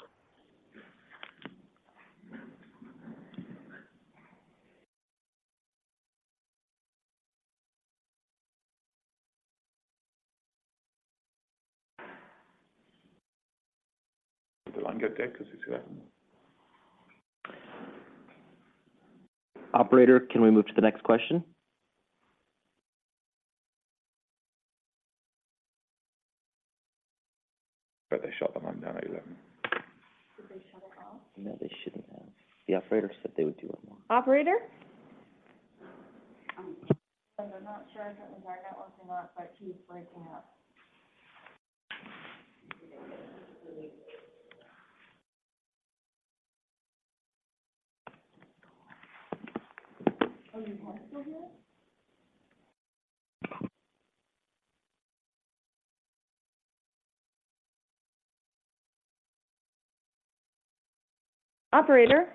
Operator, can we move to the next question? They shut the line down again. Did they shut it off? No, they shouldn't have. The operator said they would do it more. Operator? I'm not sure if it was our network or not, but he's breaking up. Are you still here? Operator?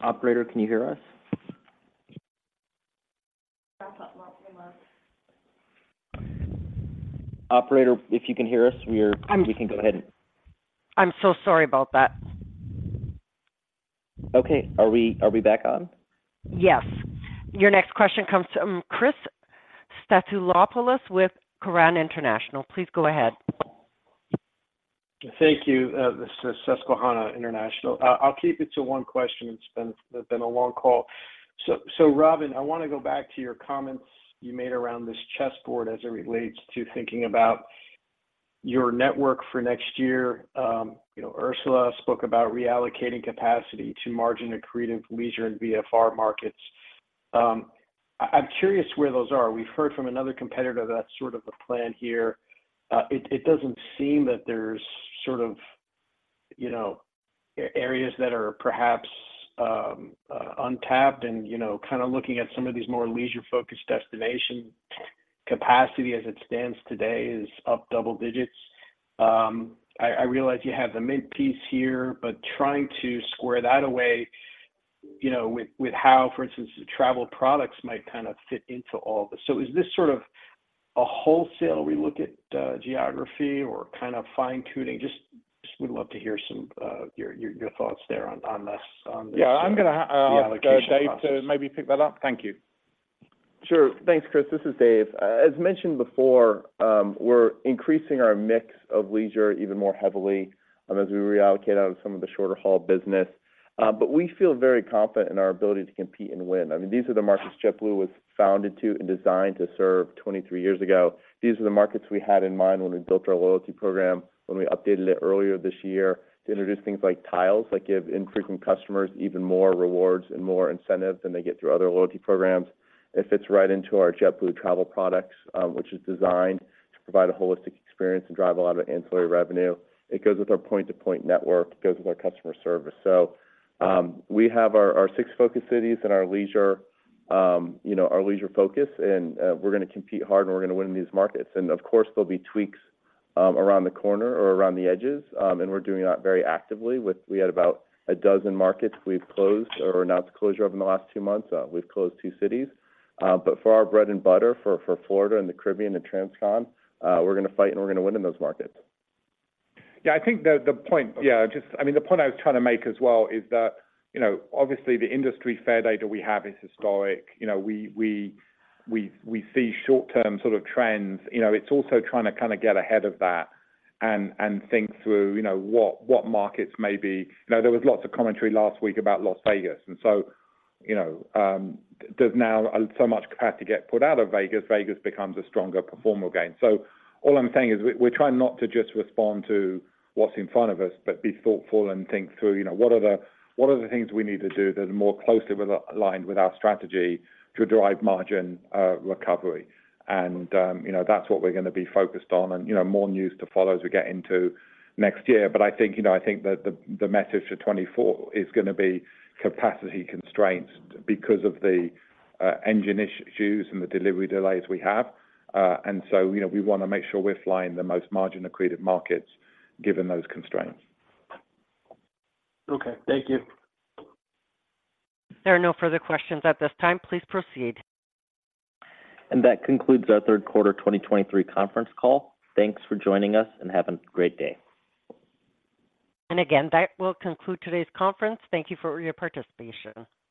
Operator, can you hear us? I thought we were. Operator, if you can hear us, we can go ahead and... I'm so sorry about that. Okay. Are we back on? Yes. Your next question comes from Chris Stathoulopoulos with Susquehanna International. Please go ahead. Thank you. This is Susquehanna International. I'll keep it to one question. It's been a long call. So Robin, I want to go back to your comments you made around this chessboard as it relates to thinking about your network for next year. You know, Ursula spoke about reallocating capacity to margin-accretive leisure and VFR markets. I'm curious where those are. We've heard from another competitor, that's sort of the plan here. It doesn't seem that there's sort of, you know, areas that are perhaps untapped and, you know, kind of looking at some of these more leisure-focused destination capacity as it stands today is up double digits. I realize you have the mid piece here, but trying to square that away, you know, with how, for instance, the travel products might kind of fit into all this. So is this sort of a wholesale relook at geography or kind of fine-tuning? Just would love to hear some your thoughts there on this. Yeah, I'm going to, Dave, to maybe pick that up. Thank you. Sure. Thanks, Chris. This is Dave. As mentioned before, we're increasing our mix of leisure even more heavily as we reallocate out of some of the shorter haul business. But we feel very confident in our ability to compete and win. I mean, these are the markets JetBlue was founded to and designed to serve 23 years ago. These are the markets we had in mind when we built our loyalty program, when we updated it earlier this year to introduce things like tiles, that give infrequent customers even more rewards and more incentives than they get through other loyalty programs. It fits right into our JetBlue Travel Products, which is designed to provide a holistic experience and drive a lot of ancillary revenue. It goes with our point-to-point network, it goes with our customer service. So, we have our, our 6 focus cities and our leisure, you know, our leisure focus, and, we're going to compete hard, and we're going to win in these markets. And of course, there'll be tweaks, around the corner or around the edges, and we're doing that very actively with... We had about a dozen markets we've closed or announced the closure of in the last 2 months. We've closed 2 cities. But for our bread and butter, for, for Florida and the Caribbean and Transcon, we're going to fight and we're going to win in those markets. Yeah, I think the point, yeah, just... I mean, the point I was trying to make as well is that, you know, obviously the industry fare data we have is historic. You know, we see short-term sort of trends. You know, it's also trying to kind of get ahead of that and think through, you know, what markets may be... You know, there was lots of commentary last week about Las Vegas, and so, you know, there's now so much capacity get put out of Vegas, Vegas becomes a stronger performer again. So all I'm saying is we're trying not to just respond to what's in front of us, but be thoughtful and think through, you know, what are the things we need to do that are more closely with, aligned with our strategy to drive margin, recovery? And, you know, that's what we're going to be focused on, and, you know, more news to follow as we get into next year. But I think, you know, I think that the message for 2024 is going to be capacity constraints because of the engine issues and the delivery delays we have. And so, you know, we want to make sure we're flying the most margin-accreted markets, given those constraints. Okay, thank you. There are no further questions at this time. Please proceed. That concludes our Q3 2023 conference call. Thanks for joining us, and have a great day. Again, that will conclude today's conference. Thank you for your participation.